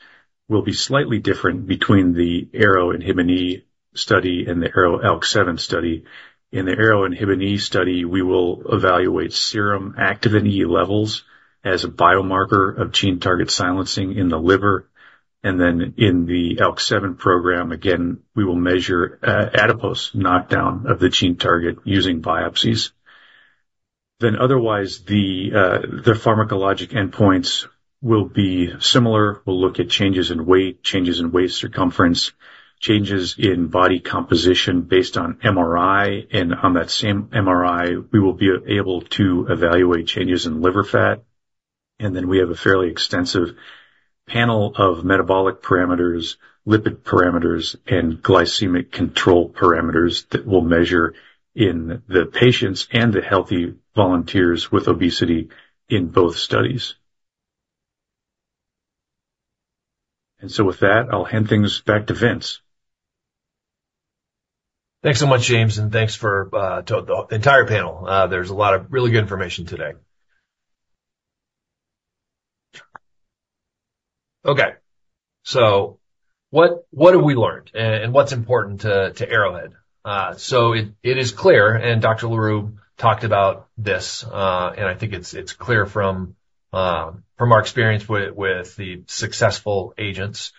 will be slightly different between the ARO-INHBE study and the ARO-ALK7 study. In the ARO-INHBE study, we will evaluate serum Activin E levels as a biomarker of gene target silencing in the liver. And then in the ALK7 program, again, we will measure adipose knockdown of the gene target using biopsies. Then otherwise, the pharmacologic endpoints will be similar. We'll look at changes in weight, changes in waist circumference, changes in body composition based on MRI, and on that same MRI, we will be able to evaluate changes in liver fat. And then we have a fairly extensive panel of metabolic parameters, lipid parameters, and glycemic control parameters that we'll measure in the patients and the healthy volunteers with obesity in both studies. And so with that, I'll hand things back to Vince. Thanks so much, James, and thanks to the entire panel. There's a lot of really good information today. Okay, so what have we learned? And what's important to Arrowhead? So it is clear, and Dr. le Roux talked about this, and I think it's clear from our experience with the successful agents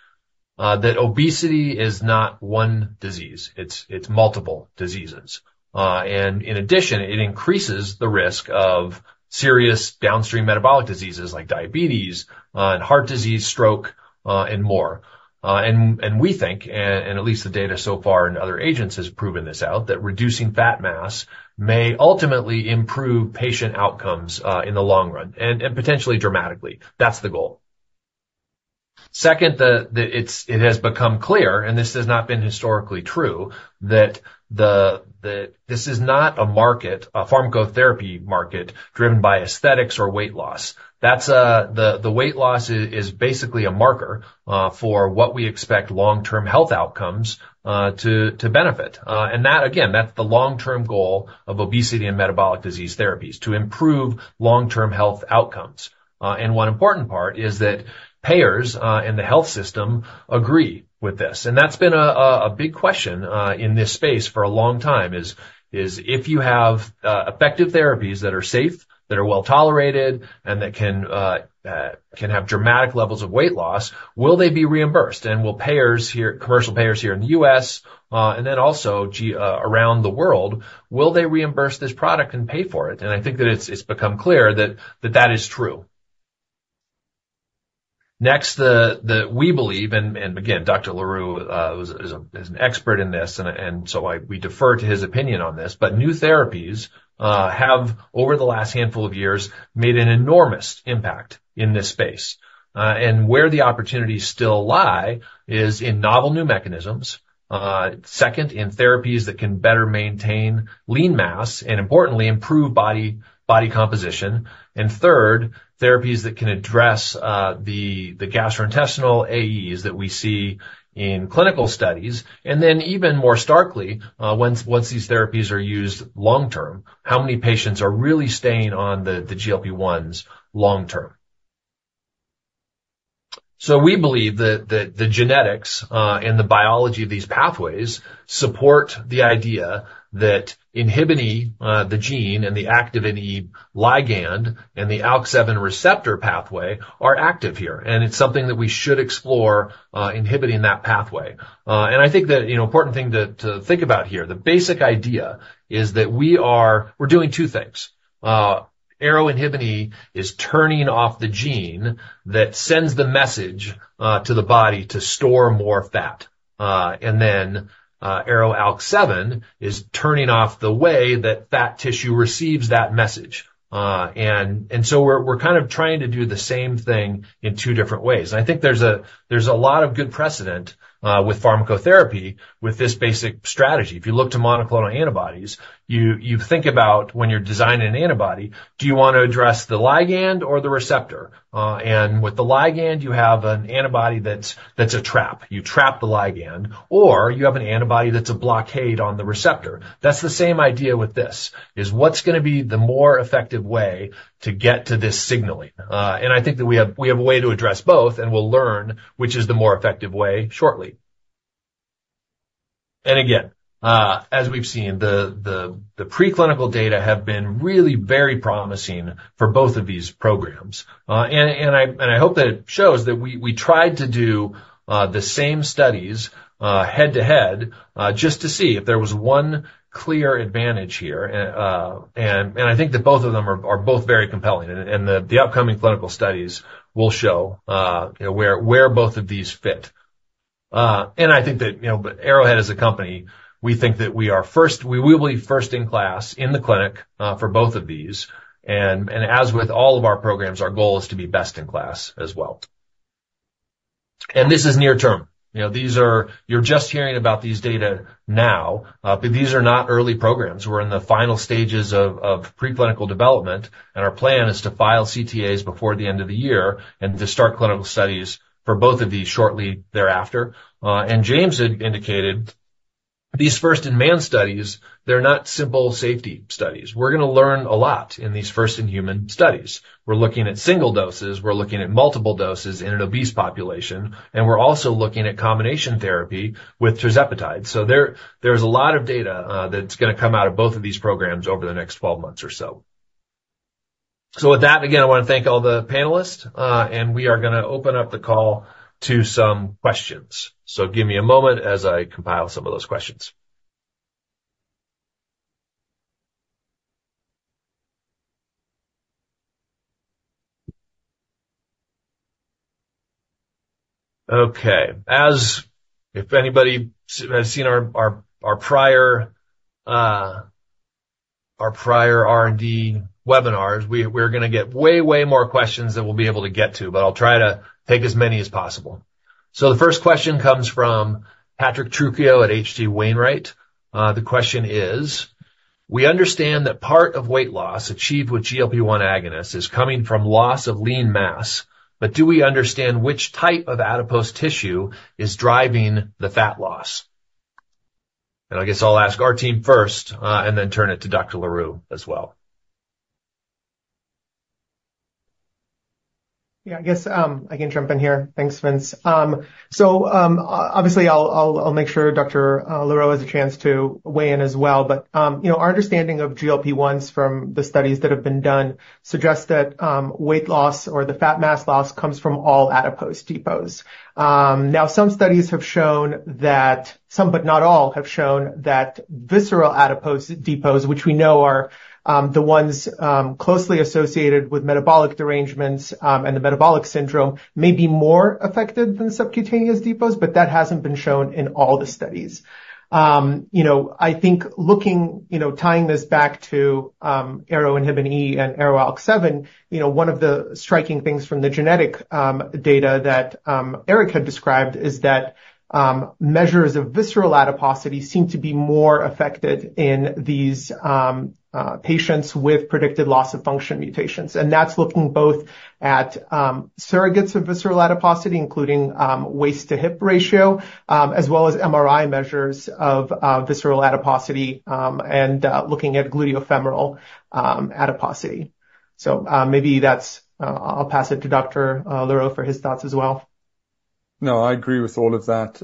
that obesity is not one disease, it's multiple diseases. And in addition, it increases the risk of serious downstream metabolic diseases like diabetes and heart disease, stroke, and more. And we think, and at least the data so far and other agents has proven this out, that reducing fat mass may ultimately improve patient outcomes in the long run, and potentially dramatically. That's the goal. Second, the... It has become clear, and this has not been historically true, that this is not a market, a pharmacotherapy market, driven by aesthetics or weight loss. That's the weight loss is basically a marker for what we expect long-term health outcomes to benefit. And that, again, that's the long-term goal of obesity and metabolic disease therapies, to improve long-term health outcomes. And one important part is that payers in the health system agree with this. And that's been a big question in this space for a long time, is if you have effective therapies that are safe, that are well-tolerated, and that can have dramatic levels of weight loss, will they be reimbursed? And will payers here, commercial payers here in the US, and then also, around the world, will they reimburse this product and pay for it? And I think that it's become clear that that is true. Next, we believe, and again, Dr. le Roux is an expert in this, and so we defer to his opinion on this. But new therapies have, over the last handful of years, made an enormous impact in this space. And where the opportunities still lie is in novel new mechanisms, second, in therapies that can better maintain lean mass and importantly, improve body composition, and third, therapies that can address the gastrointestinal AEs that we see in clinical studies. And then, even more starkly, once these therapies are used long-term, how many patients are really staying on the GLP-1s long term? So we believe that the genetics and the biology of these pathways support the idea that Inhibin E, the gene, and the Activin E ligand, and the ALK7 receptor pathway are active here, and it's something that we should explore inhibiting that pathway. And I think that, you know, an important thing to think about here, the basic idea is that we're doing two ARO-INHBE is turning off the gene that sends the message to the body to store more fat. And then, ARO-ALK7 is turning off the way that fat tissue receives that message. So we're kind of trying to do the same thing in two different ways. I think there's a lot of good precedent with pharmacotherapy, with this basic strategy. If you look to monoclonal antibodies, you think about when you're designing an antibody, do you want to address the ligand or the receptor? And with the ligand, you have an antibody that's a trap. You trap the ligand, or you have an antibody that's a blockade on the receptor. That's the same idea with this, is what's going to be the more effective way to get to this signaling? And I think that we have a way to address both, and we'll learn which is the more effective way shortly. And again, as we've seen, the preclinical data have been really very promising for both of these programs. And I hope that it shows that we tried to do the same studies head-to-head just to see if there was one clear advantage here. And I think that both of them are both very compelling, and the upcoming clinical studies will show, you know, where both of these fit. And I think that, you know, but Arrowhead as a company, we think that we are first - we will be first in class in the clinic for both of these. And as with all of our programs, our goal is to be best in class as well. And this is near term. You know, these are... You're just hearing about these data now, but these are not early programs. We're in the final stages of preclinical development, and our plan is to file CTAs before the end of the year and to start clinical studies for both of these shortly thereafter. And James had indicated, these first-in-man studies, they're not simple safety studies. We're going to learn a lot in these first-in-human studies. We're looking at single doses, we're looking at multiple doses in an obese population, and we're also looking at combination therapy with tirzepatide. So there, there's a lot of data that's going to come out of both of these programs over the next 12 months or so. So with that, again, I want to thank all the panelists, and we are going to open up the call to some questions. So give me a moment as I compile some of those questions. Okay, as if anybody has seen our prior R&D webinars, we're going to get way, way more questions than we'll be able to get to, but I'll try to take as many as possible. So the first question comes from Patrick Trucchio at H.C. Wainwright. The question is: We understand that part of weight loss achieved with GLP-1 agonist is coming from loss of lean mass, but do we understand which type of adipose tissue is driving the fat loss? And I guess I'll ask our team first, and then turn it to Dr. le Roux as well. Yeah, I guess, I can jump in here. Thanks, Vince. So, obviously, I'll make sure Dr. le Roux has a chance to weigh in as well. But, you know, our understanding of GLP-1s from the studies that have been done suggest that weight loss or the fat mass loss comes from all adipose depots. Now, some studies have shown that, some but not all, have shown that visceral adipose depots, which we know are the ones closely associated with metabolic derangements and the metabolic syndrome, may be more affected than subcutaneous depots, but that hasn't been shown in all the studies. You know, I think looking, you know, tying this back to ARO-INHBE and ARO-ALK7, you know, one of the striking things from the genetic data that Eric had described is that measures of visceral adiposity seem to be more affected in these patients with predicted loss-of-function mutations. And that's looking both at surrogates of visceral adiposity, including waist-to-hip ratio, as well as MRI measures of visceral adiposity, and looking at gluteofemoral adiposity. So, maybe that's... I'll pass it to Dr. le Roux for his thoughts as well. No, I agree with all of that.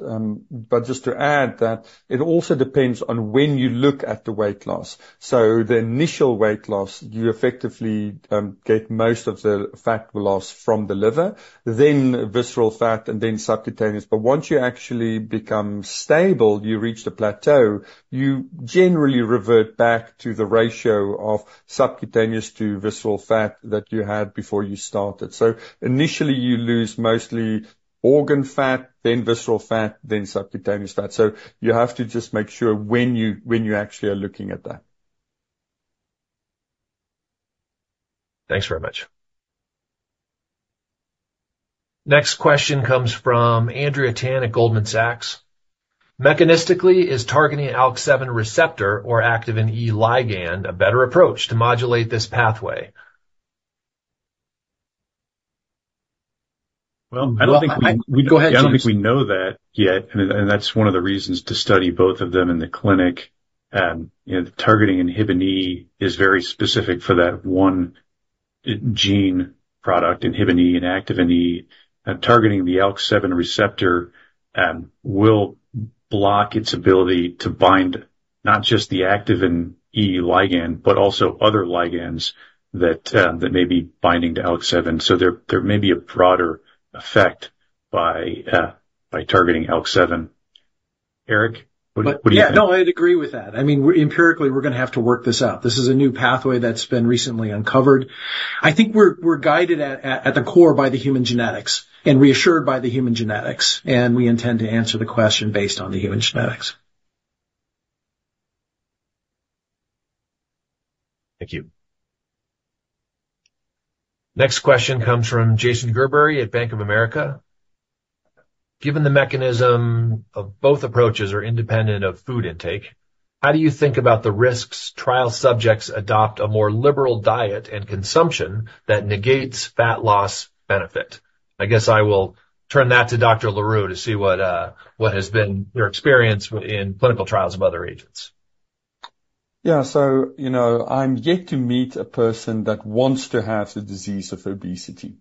But just to add that it also depends on when you look at the weight loss. So the initial weight loss, you effectively get most of the fat loss from the liver, then visceral fat, and then subcutaneous. But once you actually become stable, you reach the plateau, you generally revert back to the ratio of subcutaneous to visceral fat that you had before you started. So initially, you lose mostly organ fat, then visceral fat, then subcutaneous fat. So you have to just make sure when you actually are looking at that. Thanks very much. Next question comes from Andrea Tan at Goldman Sachs: Mechanistically, is targeting ALK7 receptor or Activin E ligand a better approach to modulate this pathway? Well, I don't think we- Go ahead, James. I don't think we know that yet, and that's one of the reasons to study both of them in the clinic. You know, targeting Inhibin E is very specific for that one gene product, Inhibin E and Activin E. And targeting the ALK7 receptor will block its ability to bind not just the Activin E ligand, but also other ligands that may be binding to ALK7. So there may be a broader effect by targeting ALK7. Eric, what do you think? Yeah, no, I'd agree with that. I mean, empirically, we're gonna have to work this out. This is a new pathway that's been recently uncovered. I think we're guided at the core by the human genetics and reassured by the human genetics, and we intend to answer the question based on the human genetics. Thank you. Next question comes from Jason Gerberry at Bank of America. Given the mechanism of both approaches are independent of food intake, how do you think about the risks trial subjects adopt a more liberal diet and consumption that negates fat loss benefit? I guess I will turn that to Dr. le Roux to see what has been your experience in clinical trials of other agents. Yeah, so, you know, I'm yet to meet a person that wants to have the disease of obesity.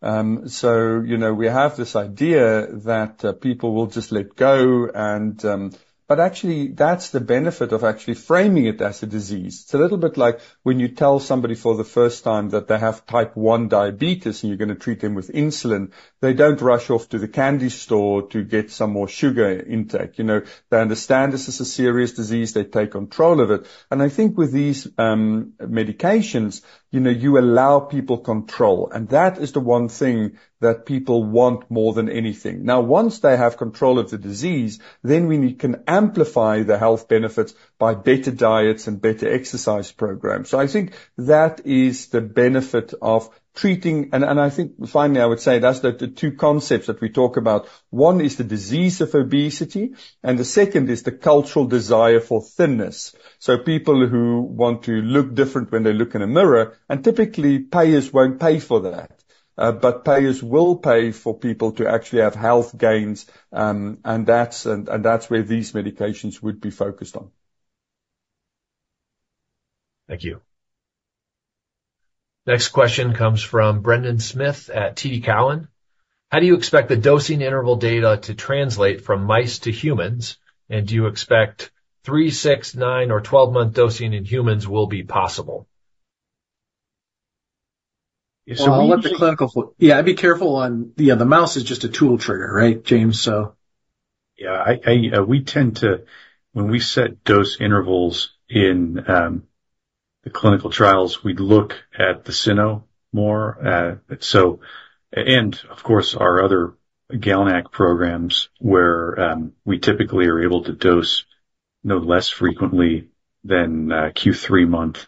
So, you know, we have this idea that people will just let go and... But actually, that's the benefit of actually framing it as a disease. It's a little bit like when you tell somebody for the first time that they have type one diabetes, and you're gonna treat them with insulin, they don't rush off to the candy store to get some more sugar intake. You know, they understand this is a serious disease, they take control of it. And I think with these medications, you know, you allow people control, and that is the one thing that people want more than anything. Now, once they have control of the disease, then we can amplify the health benefits by better diets and better exercise programs. So I think that is the benefit of treating, and I think finally, I would say that's the two concepts that we talk about. One is the disease of obesity, and the second is the cultural desire for thinness. So people who want to look different when they look in a mirror, and typically payers won't pay for that. But payers will pay for people to actually have health gains, and that's where these medications would be focused on. Thank you. Next question comes from Brendan Smith at TD Cowen. How do you expect the dosing interval data to translate from mice to humans? Do you expect 3-, 6-, 9-, or 12-month dosing in humans will be possible? So I'll let the clinical. Yeah, I'd be careful on, yeah, the mouse is just a tool trigger, right, James? So. Yeah, I, we tend to—when we set dose intervals in the clinical trials, we'd look at the cyno model more. And of course, our other GalNAc programs, where we typically are able to dose no less frequently than Q3 month.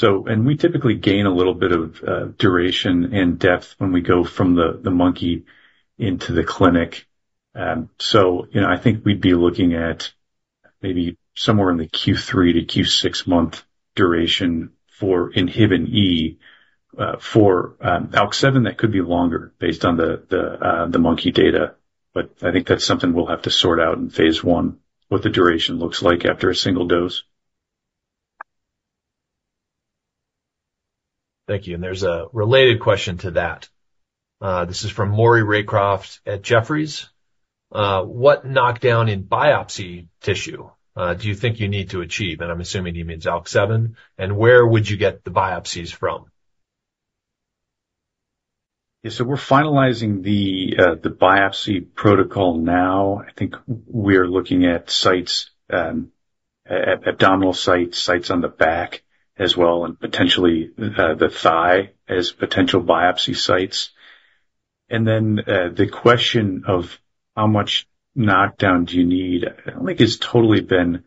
And we typically gain a little bit of duration and depth when we go from the monkey into the clinic. You know, I think we'd be looking at maybe somewhere in the Q3 to Q6 month duration for Inhibin E. For ALK7, that could be longer, based on the monkey data, but I think that's something we'll have to sort out in phase 1, what the duration looks like after a single dose. Thank you. There's a related question to that. This is from Maury Raycroft at Jefferies. What knockdown in biopsy tissue do you think you need to achieve? I'm assuming he means ALK7. Where would you get the biopsies from? Yeah, so we're finalizing the biopsy protocol now. I think we're looking at sites, abdominal sites, sites on the back as well, and potentially, the thigh as potential biopsy sites. And then, the question of how much knockdown do you need, I don't think it's totally been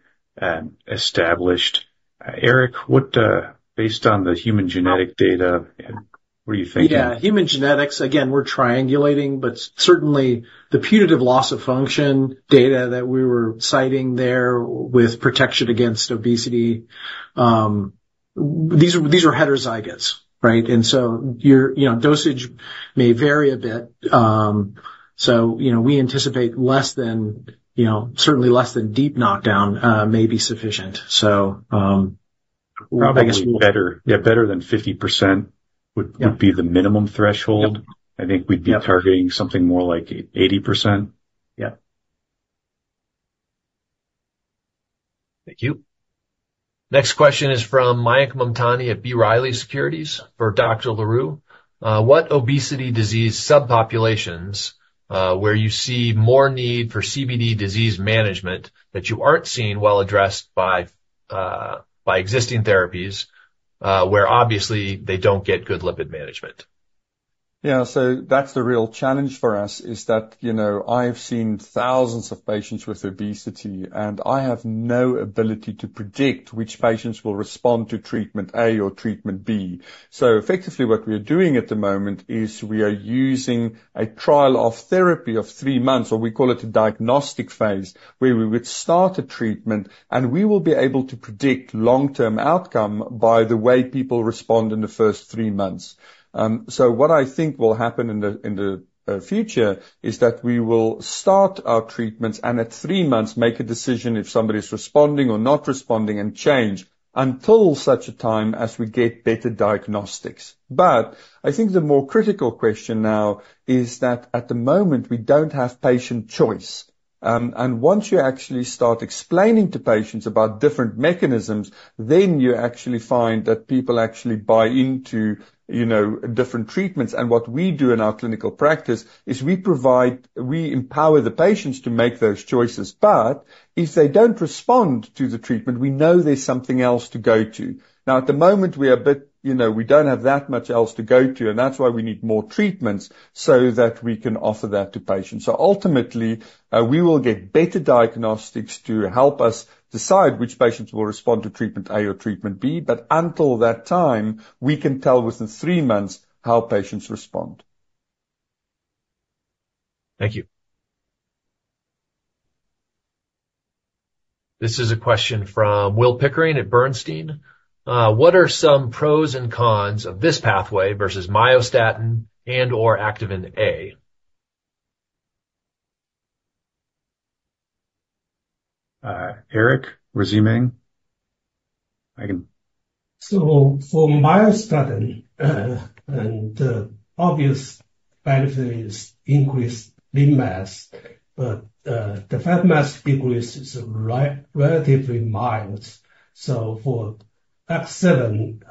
established. Eric, what, based on the human genetic data, what are you thinking? Yeah, human genetics, again, we're triangulating, but certainly the putative loss of function data that we were citing there with protection against obesity, these are, these are heterozygotes, right? And so you're... You know, dosage may vary a bit. So, you know, we anticipate less than, you know, certainly less than deep knockdown may be sufficient. So, Probably better, yeah, better than 50% would- Yeah would be the minimum threshold. Yep. I think we'd be- Yep -targeting something more like 80%. Yeah. Thank you. Next question is from Mayank Mamtani of B. Riley Securities for Dr. le Roux. What obesity disease subpopulations where you see more need for CVD disease management that you aren't seeing well addressed by existing therapies where obviously they don't get good lipid management? Yeah, so that's the real challenge for us, is that, you know, I've seen thousands of patients with obesity, and I have no ability to predict which patients will respond to treatment A or treatment B. So effectively, what we are doing at the moment is we are using a trial of therapy of 3 months, or we call it a diagnostic phase, where we would start a treatment, and we will be able to predict long-term outcome by the way people respond in the first 3 months. So what I think will happen in the future, is that we will start our treatments, and at 3 months, make a decision if somebody is responding or not responding, and change until such a time as we get better diagnostics. But I think the more critical question now is that at the moment, we don't have patient choice. And once you actually start explaining to patients about different mechanisms, then you actually find that people actually buy into, you know, different treatments. And what we do in our clinical practice is we provide, we empower the patients to make those choices. But if they don't respond to the treatment, we know there's something else to go to. Now, at the moment, we are a bit, you know, we don't have that much else to go to, and that's why we need more treatments so that we can offer that to patients. So ultimately, we will get better diagnostics to help us decide which patients will respond to treatment A or treatment B. But until that time, we can tell within 3 months how patients respond. Thank you. This is a question from Will Pickering at Bernstein. What are some pros and cons of this pathway versus myostatin and/or Activin A? Eric or Ziming? I can- So, for myostatin, and the obvious benefit is increased lean mass, but the fat mass decrease is relatively mild. So for ALK7,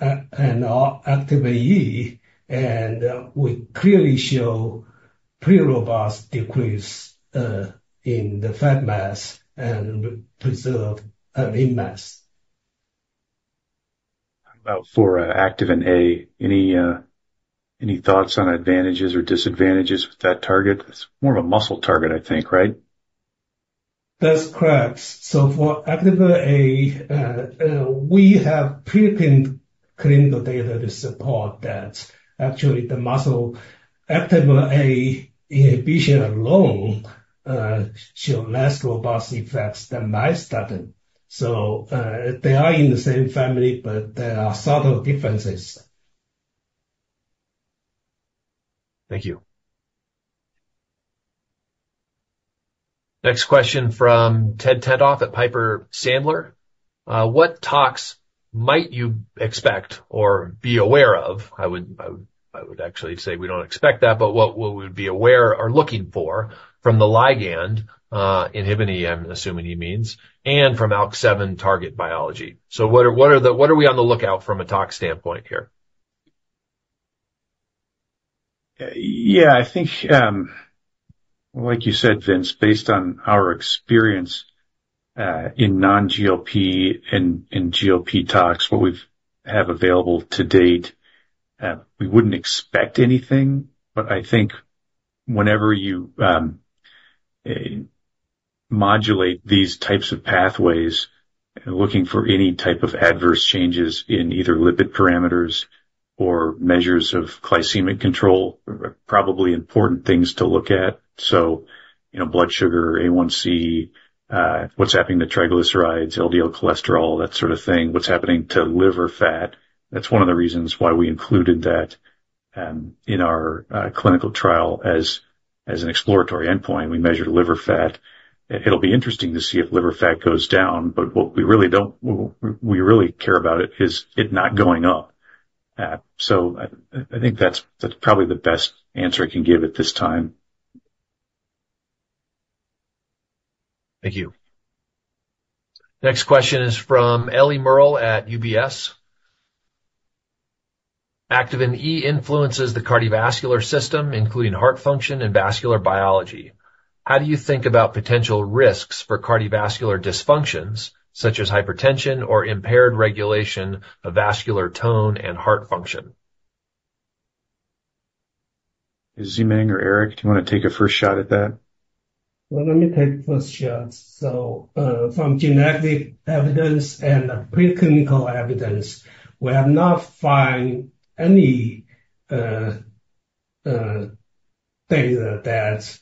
and Activin E, and we clearly show pretty robust decrease in the fat mass and preserved lean mass. How about for Activin A, any, any thoughts on advantages or disadvantages with that target? It's more of a muscle target, I think, right? That's correct. So for Activin A, we have pre-clinical data to support that actually the muscle Activin A inhibition alone show less robust effects than myostatin. So, they are in the same family, but there are subtle differences. Thank you. Next question from Ted Tenthoff at Piper Sandler. What tox might you expect or be aware of? I would, I, I would actually say we don't expect that, but what, what we would be aware or looking for, from the ligand inhibitor, I'm assuming he means, and from ALK7 target biology. So what are we on the lookout from a tox standpoint here? Yeah, I think, like you said, Vince, based on our experience in non-GLP and GLP tox, what we've have available to date, we wouldn't expect anything. But I think whenever you modulate these types of pathways, looking for any type of adverse changes in either lipid parameters or measures of glycemic control are probably important things to look at. So, you know, blood sugar, A1C, what's happening to triglycerides, LDL cholesterol, that sort of thing. What's happening to liver fat, that's one of the reasons why we included that in our clinical trial as an exploratory endpoint, we measured liver fat. It'll be interesting to see if liver fat goes down, but what we really don't, we really care about it, is it not going up. So, I think that's probably the best answer I can give at this time. Thank you. Next question is from Ellie Merle at UBS. Activin E influences the cardiovascular system, including heart function and vascular biology. How do you think about potential risks for cardiovascular dysfunctions such as hypertension or impaired regulation of vascular tone and heart function? Ziming or Eric, do you want to take a first shot at that? Well, let me take first shot. So, from genetic evidence and preclinical evidence, we have not found any data that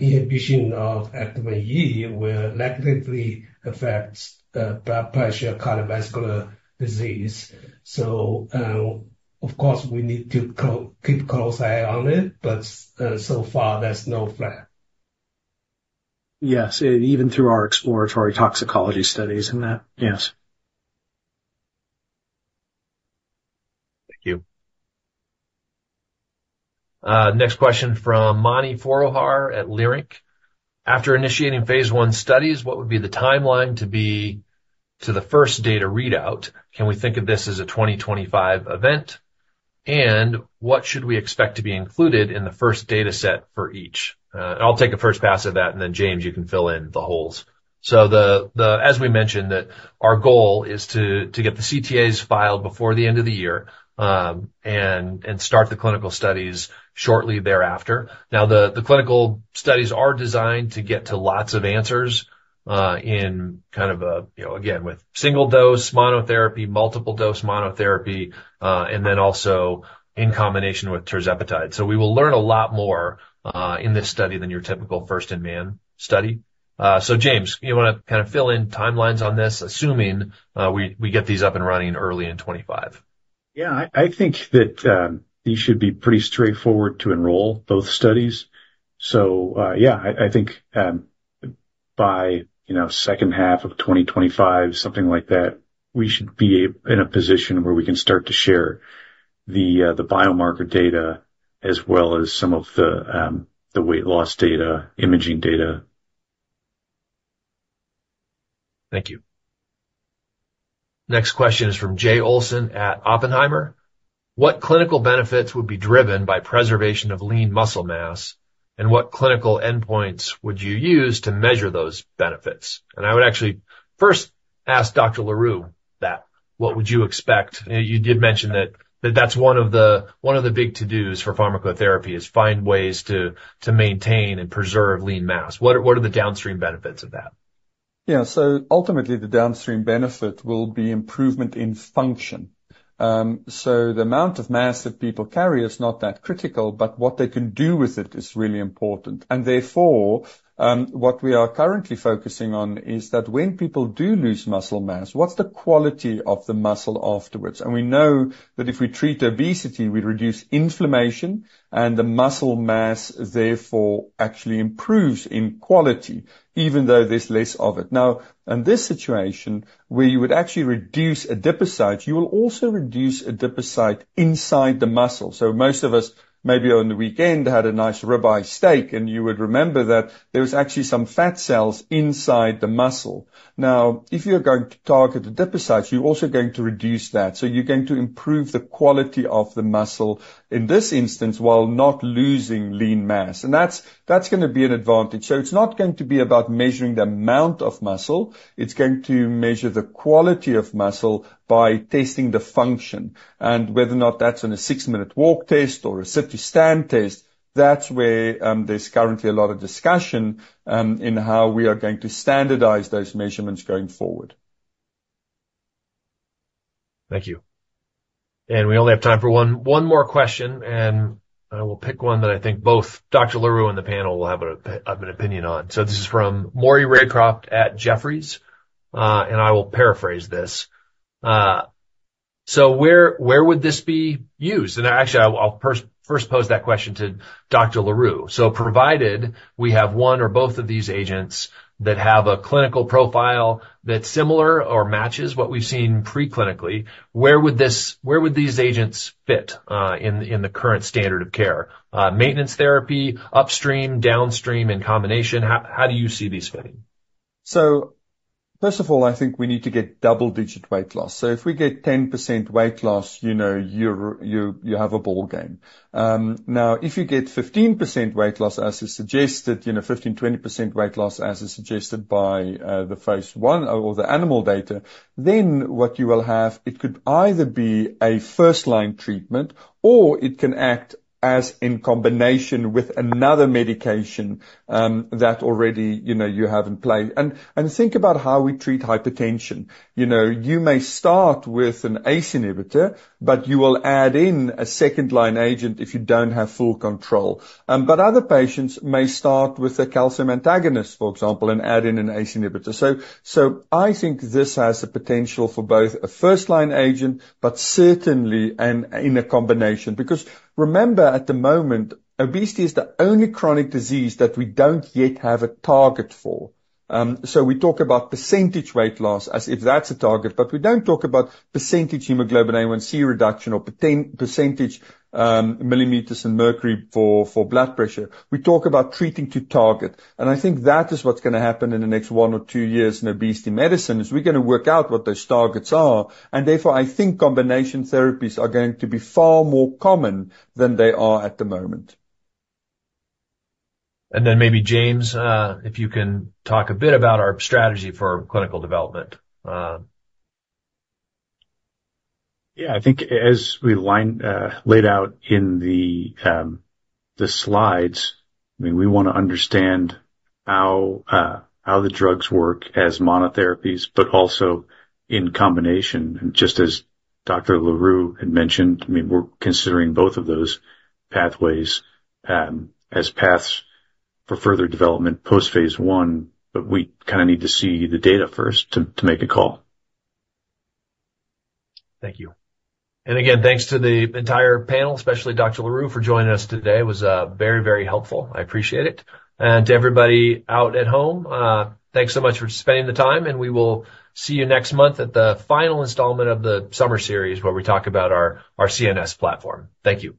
inhibition of Activin E will negatively affect blood pressure, cardiovascular disease. So, of course, we need to keep close eye on it, but so far, there's no flag. Yes, even through our exploratory toxicology studies and that, yes. Thank you. Next question from Mani Foroohar at Leerink. After initiating phase I studies, what would be the timeline to be to the first data readout? Can we think of this as a 2025 event? And what should we expect to be included in the first data set for each? I'll take a first pass at that, and then, James, you can fill in the holes. So as we mentioned, our goal is to get the CTAs filed before the end of the year, and start the clinical studies shortly thereafter. Now, the clinical studies are designed to get lots of answers, in kind of a, you know, again, with single-dose monotherapy, multiple dose monotherapy, and then also in combination with tirzepatide. So we will learn a lot more in this study than your typical first-in-man study. So James, you want to kind of fill in timelines on this, assuming we get these up and running early in 2025? Yeah. I think that these should be pretty straightforward to enroll both studies. So, yeah, I think by, you know, second half of 2025, something like that, we should be in a position where we can start to share the biomarker data as well as some of the weight loss data, imaging data. Thank you. Next question is from Jay Olson at Oppenheimer: "What clinical benefits would be driven by preservation of lean muscle mass, and what clinical endpoints would you use to measure those benefits?" And I would actually first ask Dr. le Roux that. What would you expect? You did mention that, that that's one of the, one of the big to-dos for pharmacotherapy, is find ways to, to maintain and preserve lean mass. What are, what are the downstream benefits of that? Yeah. So ultimately, the downstream benefit will be improvement in function. So the amount of mass that people carry is not that critical, but what they can do with it is really important. And therefore, what we are currently focusing on is that when people do lose muscle mass, what's the quality of the muscle afterwards? And we know that if we treat obesity, we reduce inflammation, and the muscle mass therefore actually improves in quality, even though there's less of it. Now, in this situation, where you would actually reduce adipocytes, you will also reduce adipocyte inside the muscle. So most of us, maybe on the weekend, had a nice rib eye steak, and you would remember that there was actually some fat cells inside the muscle. Now, if you're going to target adipocytes, you're also going to reduce that. So you're going to improve the quality of the muscle in this instance, while not losing lean mass. And that's, that's gonna be an advantage. So it's not going to be about measuring the amount of muscle. It's going to measure the quality of muscle by testing the function and whether or not that's on a six-minute walk test or a sit-to-stand test, that's where, there's currently a lot of discussion, in how we are going to standardize those measurements going forward. Thank you. And we only have time for one more question, and I will pick one that I think both Dr. le Roux and the panel will have an opinion on. So this is from Maury Raycroft at Jefferies, and I will paraphrase this. So where would this be used? And actually, I'll first pose that question to Dr. le Roux. So provided we have one or both of these agents that have a clinical profile that's similar or matches what we've seen pre-clinically, where would these agents fit in the current standard of care? Maintenance therapy, upstream, downstream, in combination. How do you see these fitting? First of all, I think we need to get double-digit weight loss. If we get 10% weight loss, you know, you have a ballgame. Now, if you get 15% weight loss, as is suggested, you know, 15%-20% weight loss, as is suggested by the phase I or the animal data, then what you will have, it could either be a first-line treatment or it can act as in combination with another medication that already, you know, you have in play. Think about how we treat hypertension. You know, you may start with an ACE inhibitor, but you will add in a second-line agent if you don't have full control. But other patients may start with a calcium antagonist, for example, and add in an ACE inhibitor. So, I think this has the potential for both a first-line agent, but certainly, and in a combination. Because remember, at the moment, obesity is the only chronic disease that we don't yet have a target for. So we talk about percentage weight loss as if that's a target, but we don't talk about percentage hemoglobin A1C reduction or percentage millimeters of mercury for blood pressure. We talk about treating to target, and I think that is what's gonna happen in the next one or two years in obesity medicine, is we're gonna work out what those targets are, and therefore, I think combination therapies are going to be far more common than they are at the moment. Then maybe, James, if you can talk a bit about our strategy for clinical development. Yeah, I think as we lined laid out in the slides, I mean, we wanna understand how the drugs work as monotherapies, but also in combination. Just as Dr. le Roux had mentioned, I mean, we're considering both of those pathways as paths for further development post-phase I, but we kind of need to see the data first to make a call. Thank you. And again, thanks to the entire panel, especially Dr. le Roux, for joining us today. It was very, very helpful. I appreciate it. And to everybody out at home, thanks so much for spending the time, and we will see you next month at the final installment of the summer series, where we talk about our CNS platform. Thank you.